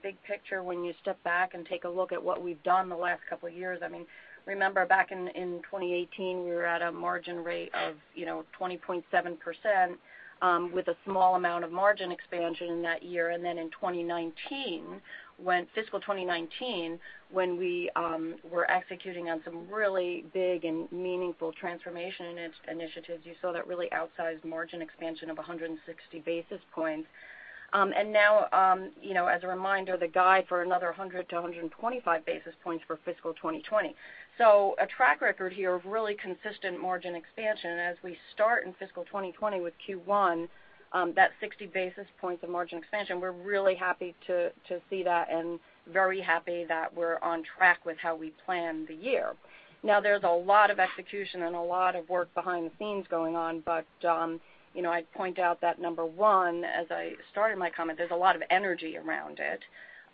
S4: big picture when you step back and take a look at what we've done the last couple of years, remember back in 2018, we were at a margin rate of 20.7% with a small amount of margin expansion in that year. Then in fiscal 2019, when we were executing on some really big and meaningful transformation initiatives, you saw that really outsized margin expansion of 160 basis points. Now, as a reminder, the guide for another 100-125 basis points for fiscal 2020. A track record here of really consistent margin expansion as we start in fiscal 2020 with Q1, that 60 basis points of margin expansion, we're really happy to see that and very happy that we're on track with how we planned the year. There's a lot of execution and a lot of work behind the scenes going on, but I'd point out that number 1, as I started my comment, there's a lot of energy around it,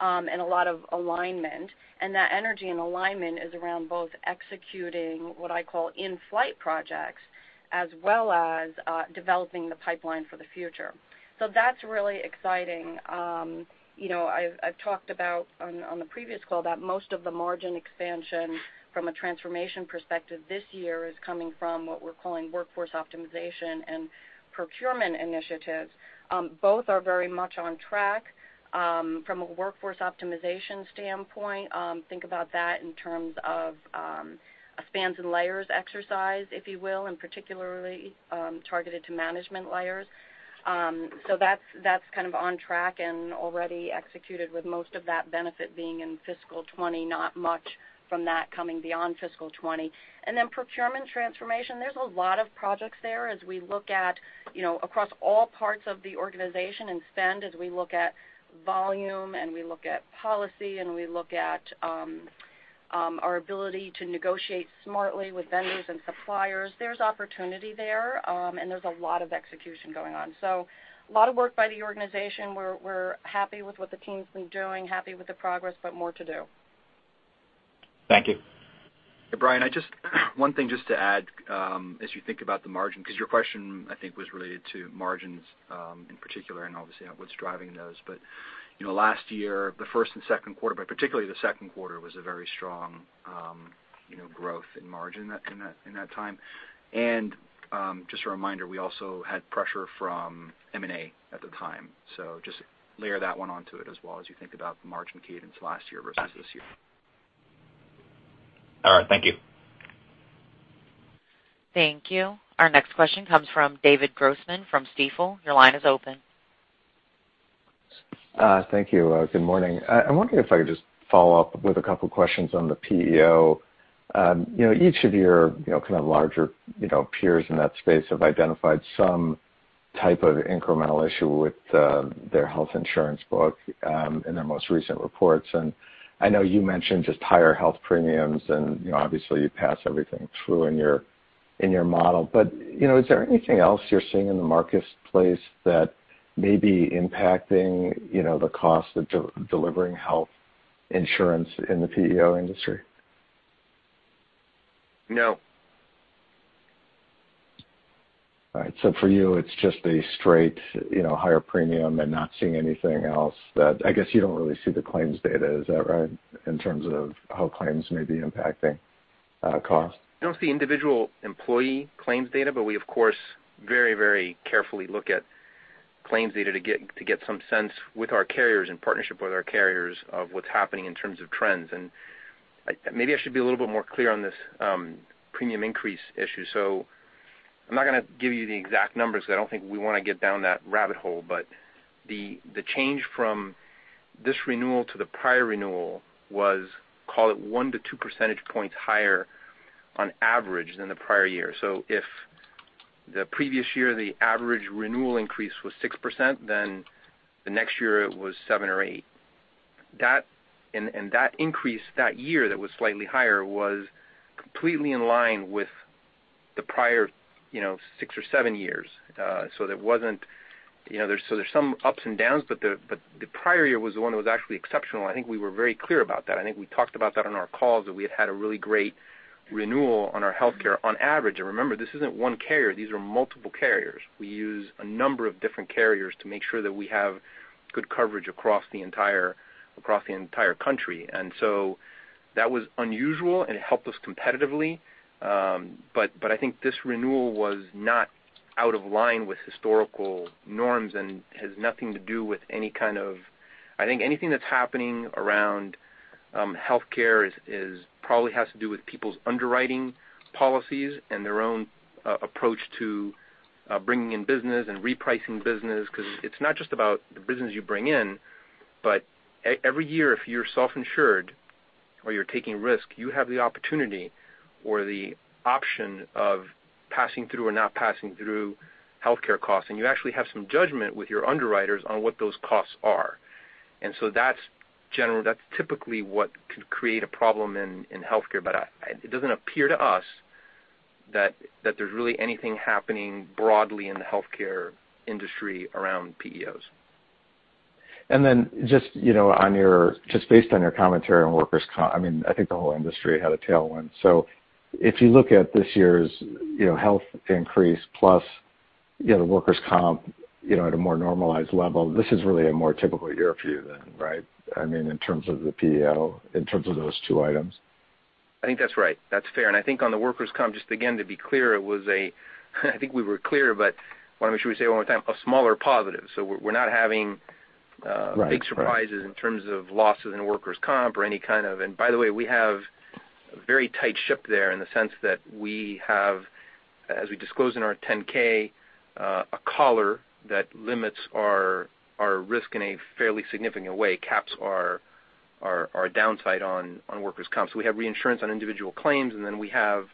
S4: and a lot of alignment, and that energy and alignment is around both executing what I call in-flight projects, as well as developing the pipeline for the future. That's really exciting. I've talked about on the previous call that most of the margin expansion from a transformation perspective this year is coming from what we're calling workforce optimization and procurement initiatives. Both are very much on track. From a workforce optimization standpoint, think about that in terms of a spans and layers exercise, if you will, and particularly targeted to management layers. That's on track and already executed with most of that benefit being in fiscal 2020, not much from that coming beyond fiscal 2020. Procurement transformation, there's a lot of projects there as we look at across all parts of the organization and spend as we look at volume and we look at policy and we look at.
S3: Our ability to negotiate smartly with vendors and suppliers. There's opportunity there, and there's a lot of execution going on. A lot of work by the organization. We're happy with what the team's been doing, happy with the progress, but more to do.
S8: Thank you.
S4: Bryan, one thing just to add as you think about the margin, because your question, I think, was related to margins in particular, and obviously what's driving those. Last year, the first and second quarter, but particularly the second quarter, was a very strong growth in margin in that time. Just a reminder, we also had pressure from M&A at the time. Just layer that one onto it as well as you think about the margin cadence last year versus this year.
S8: All right. Thank you.
S1: Thank you. Our next question comes from David Grossman from Stifel. Your line is open.
S9: Thank you. Good morning. I'm wondering if I could just follow up with a couple questions on the PEO. Each of your kind of larger peers in that space have identified some type of incremental issue with their health insurance book in their most recent reports. I know you mentioned just higher health premiums and obviously you pass everything through in your model. Is there anything else you're seeing in the marketplace that may be impacting the cost of delivering health insurance in the PEO industry?
S3: No.
S9: All right. For you, it's just a straight higher premium and not seeing anything else that I guess you don't really see the claims data. Is that right, in terms of how claims may be impacting cost?
S3: We don't see individual employee claims data, but we, of course, very carefully look at claims data to get some sense with our carriers, in partnership with our carriers, of what's happening in terms of trends. Maybe I should be a little bit more clear on this premium increase issue. I'm not going to give you the exact numbers because I don't think we want to get down that rabbit hole. The change from this renewal to the prior renewal was, call it 1 to 2 percentage points higher on average than the prior year. If the previous year, the average renewal increase was 6%, then the next year it was 7 or 8. That increase that year that was slightly higher was completely in line with the prior 6 or 7 years. There's some ups and downs, but the prior year was the one that was actually exceptional, and I think we were very clear about that. I think we talked about that on our calls, that we had had a really great renewal on our healthcare on average. Remember, this isn't one carrier, these are multiple carriers. We use a number of different carriers to make sure that we have good coverage across the entire country. That was unusual, and it helped us competitively. I think this renewal was not out of line with historical norms and has nothing to do with any kind of I think anything that's happening around healthcare probably has to do with people's underwriting policies and their own approach to bringing in business and repricing business, because it's not just about the business you bring in, but every year, if you're self-insured or you're taking risk, you have the opportunity or the option of passing through or not passing through healthcare costs, and you actually have some judgment with your underwriters on what those costs are. That's typically what could create a problem in healthcare. It doesn't appear to us that there's really anything happening broadly in the healthcare industry around PEOs.
S9: Then just based on your commentary on workers' comp, I think the whole industry had a tailwind. If you look at this year's health increase plus the workers' comp at a more normalized level, this is really a more typical year for you then, right? In terms of the PEO, in terms of those two items.
S3: I think that's right. That's fair. I think on the workers' comp, just again, to be clear, it was a, I think we were clear, but I want to make sure we say it one more time, a smaller positive. We're not having.
S9: Right
S3: big surprises in terms of losses in workers' comp or any kind of. By the way, we have a very tight ship there in the sense that we have, as we disclose in our 10-K, a collar that limits our risk in a fairly significant way, caps our downside on workers' comp. We have reinsurance on individual claims, and then we have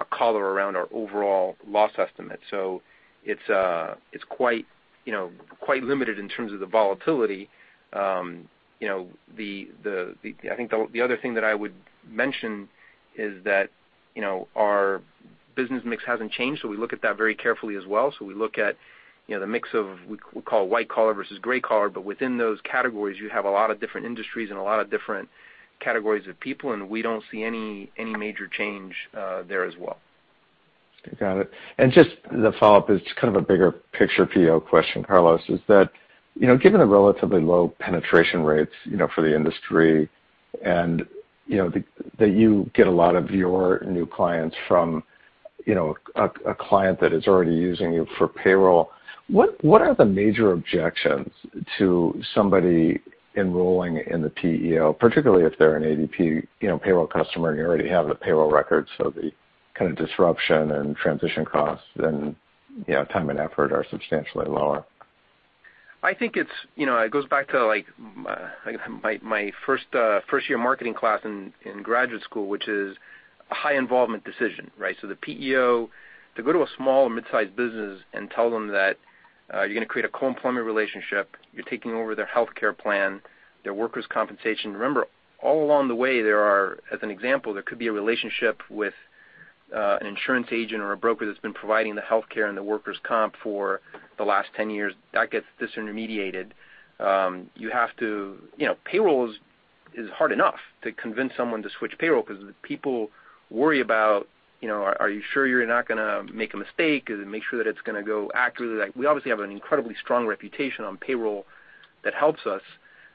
S3: a collar around our overall loss estimate. It's quite limited in terms of the volatility. I think the other thing that I would mention is that our business mix hasn't changed, so we look at that very carefully as well. We look at the mix of, we call it white collar versus gray collar, but within those categories, you have a lot of different industries and a lot of different categories of people, and we don't see any major change there as well.
S9: Got it. Just the follow-up is just kind of a bigger picture PEO question, Carlos, is that given the relatively low penetration rates for the industry and that you get a lot of your new clients from a client that is already using you for payroll, what are the major objections to somebody enrolling in the PEO, particularly if they're an ADP payroll customer and you already have the payroll records, so the kind of disruption and transition costs and time and effort are substantially lower?
S3: I think it goes back to my first-year marketing class in graduate school, which is a high involvement decision, right? The PEO, to go to a small or mid-sized business and tell them that you're going to create a co-employment relationship, you're taking over their healthcare plan, their workers' compensation. Remember, all along the way, as an example, there could be a relationship with. An insurance agent or a broker that's been providing the healthcare and the workers' comp for the last 10 years, that gets disintermediated. Payroll is hard enough to convince someone to switch payroll because people worry about, are you sure you're not going to make a mistake? Make sure that it's going to go accurately. We obviously have an incredibly strong reputation on payroll that helps us.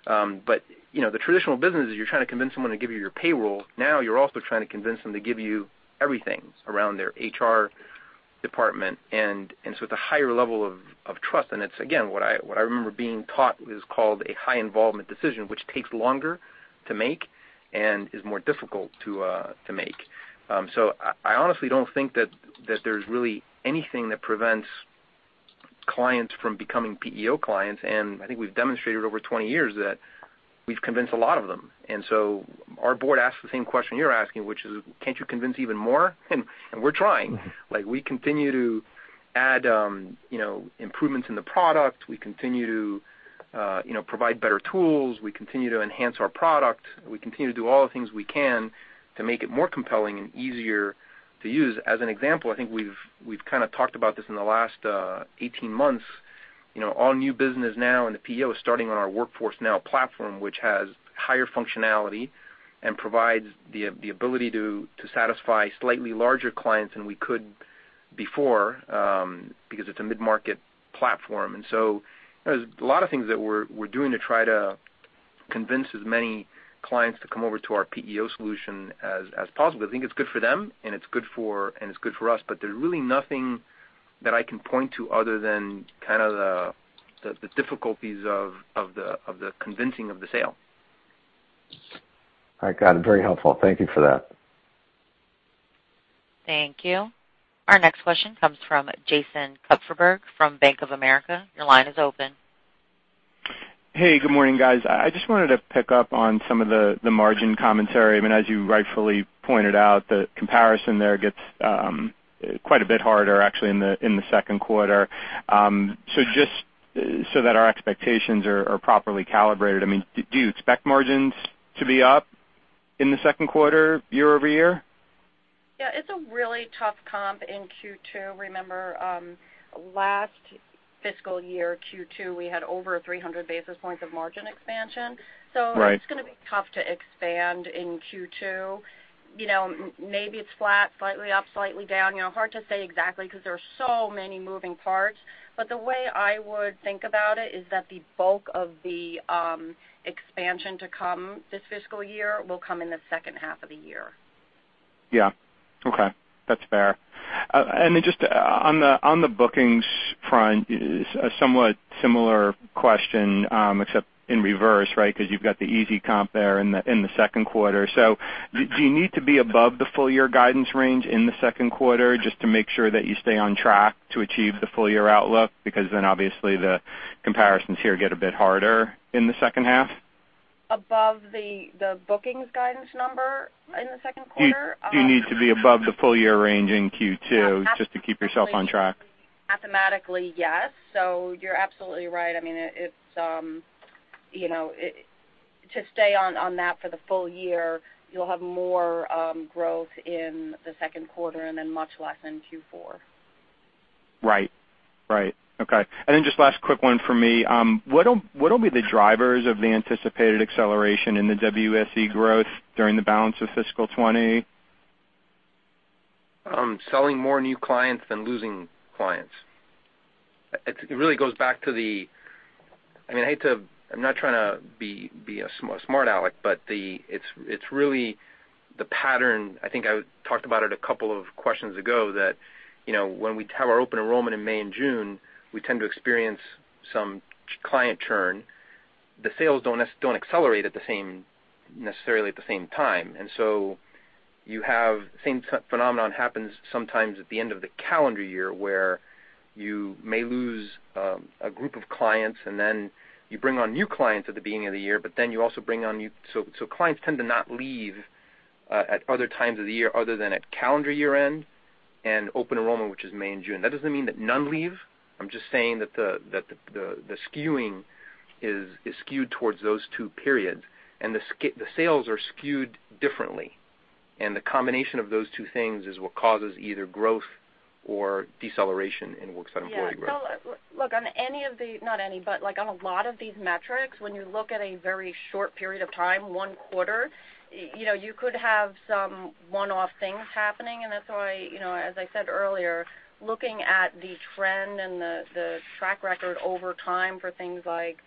S3: The traditional business is you're trying to convince someone to give you your payroll. Now you're also trying to convince them to give you everything around their HR department. It's a higher level of trust. It's, again, what I remember being taught is called a high involvement decision, which takes longer to make and is more difficult to make. I honestly don't think that there's really anything that prevents clients from becoming PEO clients, and I think we've demonstrated over 20 years that we've convinced a lot of them. Our board asks the same question you're asking, which is, "Can't you convince even more?" We're trying. We continue to add improvements in the product. We continue to provide better tools. We continue to enhance our product. We continue to do all the things we can to make it more compelling and easier to use. As an example, I think we've talked about this in the last 18 months. All new business now in the PEO is starting on our Workforce Now platform, which has higher functionality and provides the ability to satisfy slightly larger clients than we could before, because it's a mid-market platform. There's a lot of things that we're doing to try to convince as many clients to come over to our PEO solution as possible. I think it's good for them, and it's good for us. There's really nothing that I can point to other than the difficulties of the convincing of the sale.
S9: I got it. Very helpful. Thank you for that.
S1: Thank you. Our next question comes from Jason Kupferberg from Bank of America. Your line is open.
S10: Hey, good morning, guys. I just wanted to pick up on some of the margin commentary. As you rightfully pointed out, the comparison there gets quite a bit harder actually in the second quarter. Just so that our expectations are properly calibrated, do you expect margins to be up in the second quarter year-over-year?
S4: It's a really tough comp in Q2. Remember, last fiscal year, Q2, we had over 300 basis points of margin expansion.
S10: Right.
S4: It's going to be tough to expand in Q2. Maybe it's flat, slightly up, slightly down. Hard to say exactly because there are so many moving parts. The way I would think about it is that the bulk of the expansion to come this fiscal year will come in the second half of the year.
S10: Yeah. Okay. That's fair. Then just on the bookings front, a somewhat similar question, except in reverse, because you've got the easy comp there in the second quarter. Do you need to be above the full year guidance range in the second quarter just to make sure that you stay on track to achieve the full year outlook? Obviously the comparisons here get a bit harder in the second half.
S4: Above the bookings guidance number in the second quarter?
S10: Do you need to be above the full year range in Q2 just to keep yourself on track?
S4: Mathematically, yes. You're absolutely right. To stay on that for the full year, you'll have more growth in the second quarter and then much less in Q4.
S10: Right. Okay. Then just last quick one for me. What will be the drivers of the anticipated acceleration in the WSE growth during the balance of fiscal 2020?
S3: Selling more new clients than losing clients. I'm not trying to be a smart aleck, it's really the pattern. I think I talked about it a couple of questions ago, that when we have our open enrollment in May and June, we tend to experience some client churn. The sales don't accelerate necessarily at the same time. The same phenomenon happens sometimes at the end of the calendar year, where you may lose a group of clients, and then you bring on new clients at the beginning of the year. Clients tend to not leave at other times of the year other than at calendar year-end and open enrollment, which is May and June. That doesn't mean that none leave. I'm just saying that the skewing is skewed towards those two periods, and the sales are skewed differently. The combination of those two things is what causes either growth or deceleration in worksite employee growth.
S4: Yeah. Look, on a lot of these metrics, when you look at a very short period of time, one quarter, you could have some one-off things happening, and that's why, as I said earlier, looking at the trend and the track record over time for things like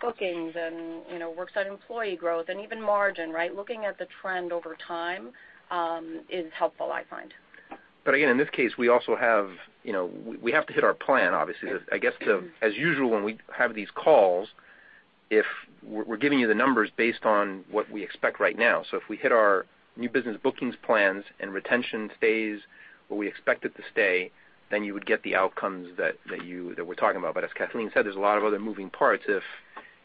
S4: bookings and worksite employee growth and even margin. Looking at the trend over time is helpful, I find.
S3: Again, in this case, we have to hit our plan, obviously. I guess, as usual, when we have these calls, we're giving you the numbers based on what we expect right now. If we hit our new business bookings plans and retention stays where we expect it to stay, you would get the outcomes that we're talking about. As Kathleen said, there's a lot of other moving parts.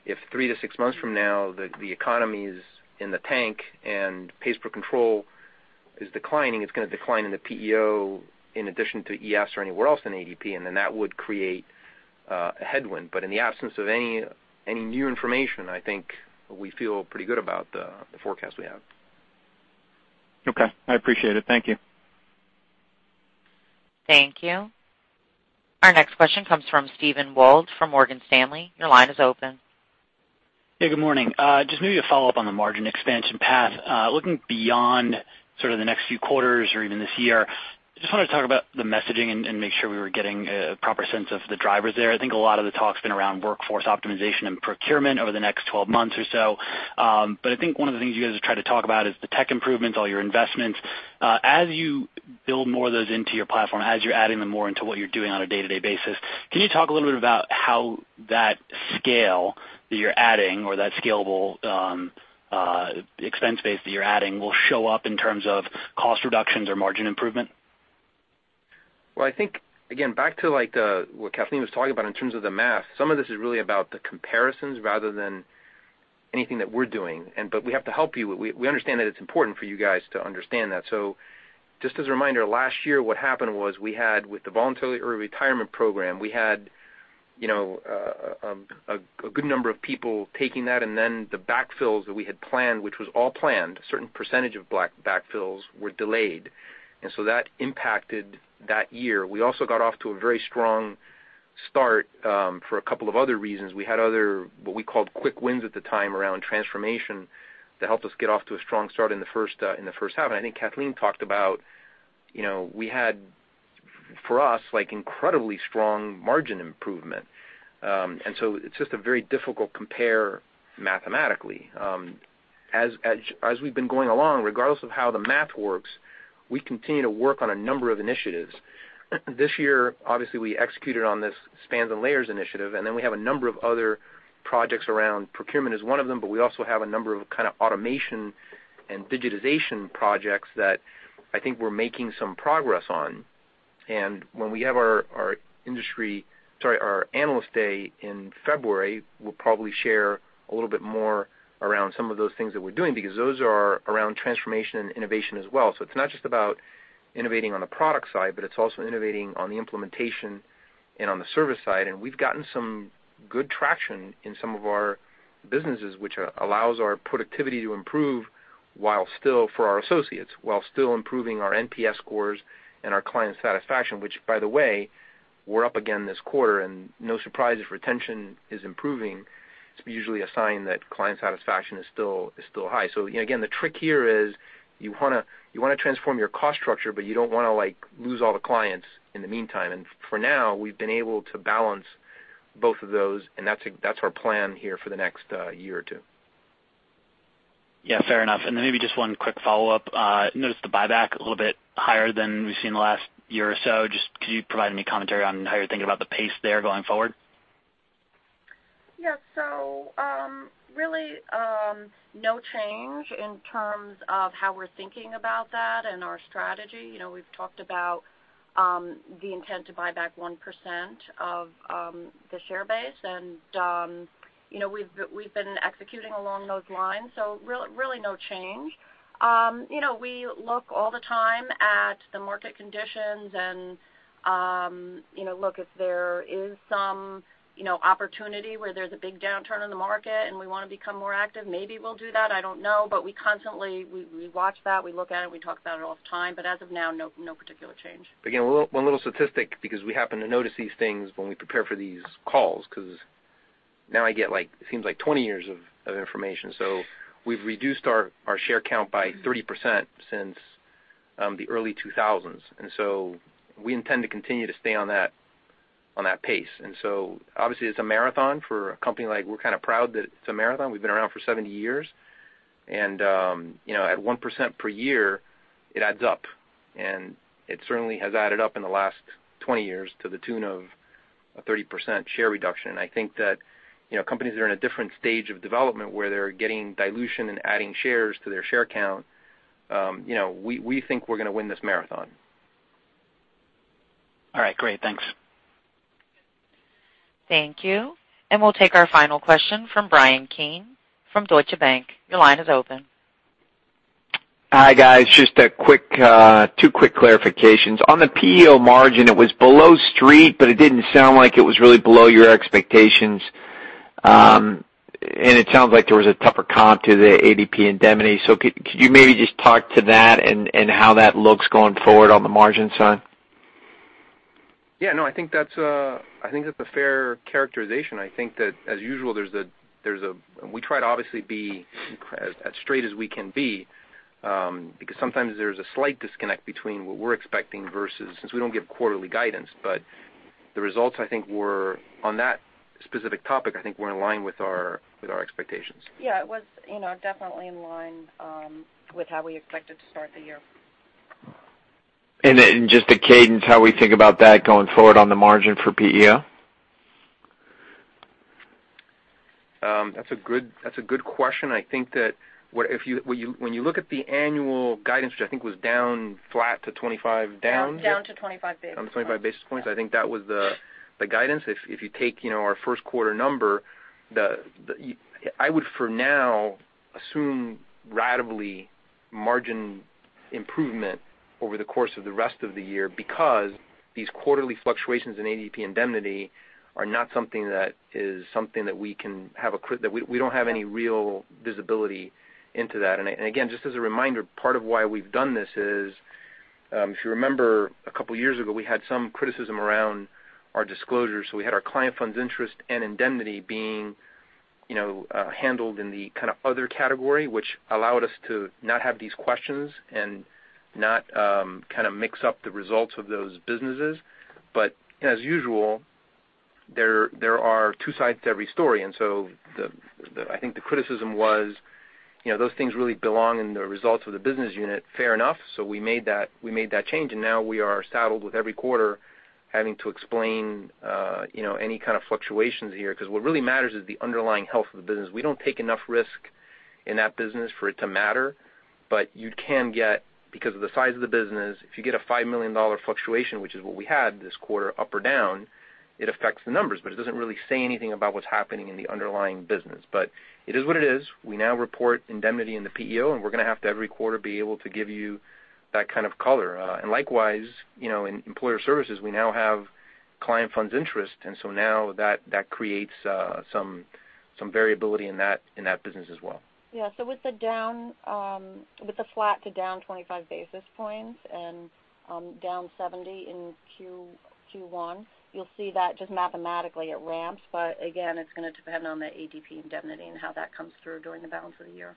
S3: If three to six months from now, the economy is in the tank and pays per control is declining, it's going to decline in the PEO in addition to ES or anywhere else in ADP, that would create a headwind. In the absence of any new information, I think we feel pretty good about the forecast we have.
S10: Okay. I appreciate it. Thank you.
S1: Thank you. Our next question comes from Steven Wald from Morgan Stanley. Your line is open.
S11: Hey, good morning. Just maybe a follow-up on the margin expansion path. Looking beyond sort of the next few quarters or even this year, just wanted to talk about the messaging and make sure we were getting a proper sense of the drivers there. I think a lot of the talk's been around workforce optimization and procurement over the next 12 months or so. I think one of the things you guys have tried to talk about is the tech improvements, all your investments. As you build more of those into your platform, as you're adding them more into what you're doing on a day-to-day basis, can you talk a little bit about how that scale that you're adding or that scalable expense base that you're adding will show up in terms of cost reductions or margin improvement?
S3: Well, I think, again, back to what Kathleen was talking about in terms of the math, some of this is really about the comparisons rather than anything that we're doing. We have to help you. We understand that it's important for you guys to understand that. Just as a reminder, last year what happened was, with the voluntary early retirement program, we had a good number of people taking that, and then the backfills that we had planned, which was all planned, a certain percentage of backfills were delayed. That impacted that year. We also got off to a very strong start for a couple of other reasons. We had other, what we called quick wins at the time, around transformation that helped us get off to a strong start in the first half. I think Kathleen talked about, we had for us incredibly strong margin improvement. It's just a very difficult compare mathematically. As we've been going along, regardless of how the math works, we continue to work on a number of initiatives. This year, obviously, we executed on this spans and layers initiative, then we have a number of other projects around, procurement is one of them, but we also have a number of kind of automation and digitization projects that I think we're making some progress on. When we have our Investor Day in February, we'll probably share a little bit more around some of those things that we're doing because those are around transformation and innovation as well. It's not just about innovating on the product side, but it's also innovating on the implementation and on the service side. We've gotten some good traction in some of our businesses, which allows our productivity to improve for our associates while still improving our NPS scores and our client satisfaction, which by the way, we're up again this quarter, and no surprises, retention is improving. It's usually a sign that client satisfaction is still high. Again, the trick here is you want to transform your cost structure, but you don't want to lose all the clients in the meantime. For now, we've been able to balance both of those, and that's our plan here for the next year or two.
S11: Yeah, fair enough. Maybe just one quick follow-up. Noticed the buyback a little bit higher than we've seen in the last year or so. Could you provide any commentary on how you're thinking about the pace there going forward?
S4: Really no change in terms of how we're thinking about that and our strategy. We've talked about the intent to buy back 1% of the share base, and we've been executing along those lines, so really no change. We look all the time at the market conditions and look if there is some opportunity where there's a big downturn in the market and we want to become more active, maybe we'll do that, I don't know. We constantly watch that, we look at it, and we talk about it all the time, but as of now, no particular change.
S3: One little statistic, because we happen to notice these things when we prepare for these calls, because now I get it seems like 20 years of information. We've reduced our share count by 30% since the early 2000s. We intend to continue to stay on that pace. Obviously it's a marathon for a company like we're kind of proud that it's a marathon. We've been around for 70 years. At 1% per year, it adds up. It certainly has added up in the last 20 years to the tune of a 30% share reduction. I think that companies are in a different stage of development where they're getting dilution and adding shares to their share count. We think we're going to win this marathon.
S11: All right, great. Thanks.
S1: Thank you. We'll take our final question from Bryan Keane from Deutsche Bank. Your line is open.
S12: Hi, guys. Just two quick clarifications. On the PEO margin, it was below street, but it didn't sound like it was really below your expectations. It sounds like there was a tougher comp to the ADP Indemnity. Could you maybe just talk to that and how that looks going forward on the margin side?
S3: Yeah. No, I think that's a fair characterization. I think that as usual, we try to obviously be as straight as we can be, because sometimes there's a slight disconnect between what we're expecting versus, since we don't give quarterly guidance, but the results I think were on that specific topic, I think were in line with our expectations.
S4: Yeah. It was definitely in line with how we expected to start the year.
S12: Just the cadence, how we think about that going forward on the margin for PEO?
S3: That's a good question. I think that when you look at the annual guidance, which I think was down flat to 25 down.
S4: Down to 25 basis points.
S3: Down to 25 basis points. I think that was the guidance. If you take our first quarter number, I would for now assume ratably margin improvement over the course of the rest of the year because these quarterly fluctuations in ADP Indemnity are not something that we don't have any real visibility into that. Again, just as a reminder, part of why we've done this is, if you remember, a couple of years ago, we had some criticism around our disclosures. We had our client funds interest and indemnity being handled in the other category, which allowed us to not have these questions and not mix up the results of those businesses. As usual, there are two sides to every story, and so I think the criticism was those things really belong in the results of the business unit. Fair enough. We made that change, and now we are saddled with every quarter having to explain any kind of fluctuations here, because what really matters is the underlying health of the business. We don't take enough risk in that business for it to matter, but you can get, because of the size of the business, if you get a $5 million fluctuation, which is what we had this quarter, up or down, it affects the numbers, but it doesn't really say anything about what's happening in the underlying business. It is what it is. We now report indemnity in the PEO, and we're going to have to, every quarter, be able to give you that kind of color. In Employer Services, we now have client funds interest, and so now that creates some variability in that business as well.
S4: Yeah. With the flat to down 25 basis points and down 70 in Q1, you'll see that just mathematically it ramps. Again, it's going to depend on the ADP Indemnity and how that comes through during the balance of the year.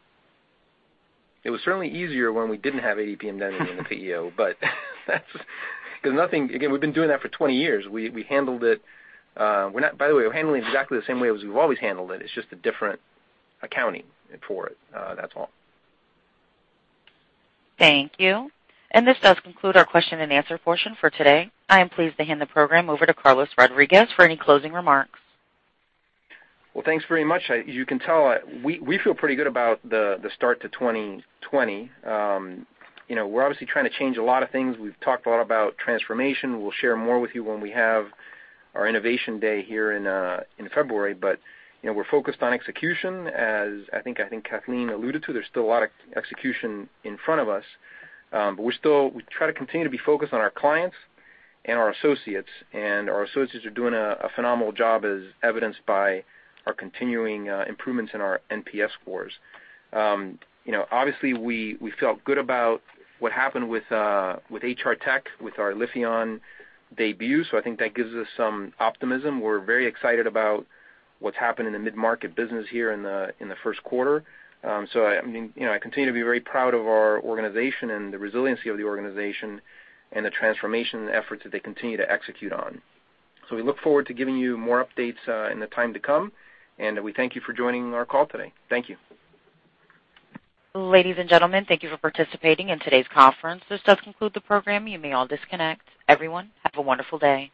S3: It was certainly easier when we didn't have ADP Indemnity in the PEO. Because again, we've been doing that for 20 years. We handled it. By the way, we're handling it exactly the same way as we've always handled it. It's just a different accounting for it, that's all.
S1: Thank you. This does conclude our question and answer portion for today. I am pleased to hand the program over to Carlos Rodriguez for any closing remarks.
S3: Well, thanks very much. As you can tell, we feel pretty good about the start to 2020. We're obviously trying to change a lot of things. We've talked a lot about transformation. We'll share more with you when we have our Innovation Day here in February. We're focused on execution. As I think Kathleen alluded to, there's still a lot of execution in front of us. We try to continue to be focused on our clients and our associates. Our associates are doing a phenomenal job, as evidenced by our continuing improvements in our NPS scores. Obviously, we felt good about what happened with HR Tech, with our Lifion debut, so I think that gives us some optimism. We're very excited about what's happened in the mid-market business here in the first quarter. I continue to be very proud of our organization and the resiliency of the organization and the transformation efforts that they continue to execute on. We look forward to giving you more updates in the time to come, and we thank you for joining our call today. Thank you.
S1: Ladies and gentlemen, thank you for participating in today's conference. This does conclude the program. You may all disconnect. Everyone, have a wonderful day.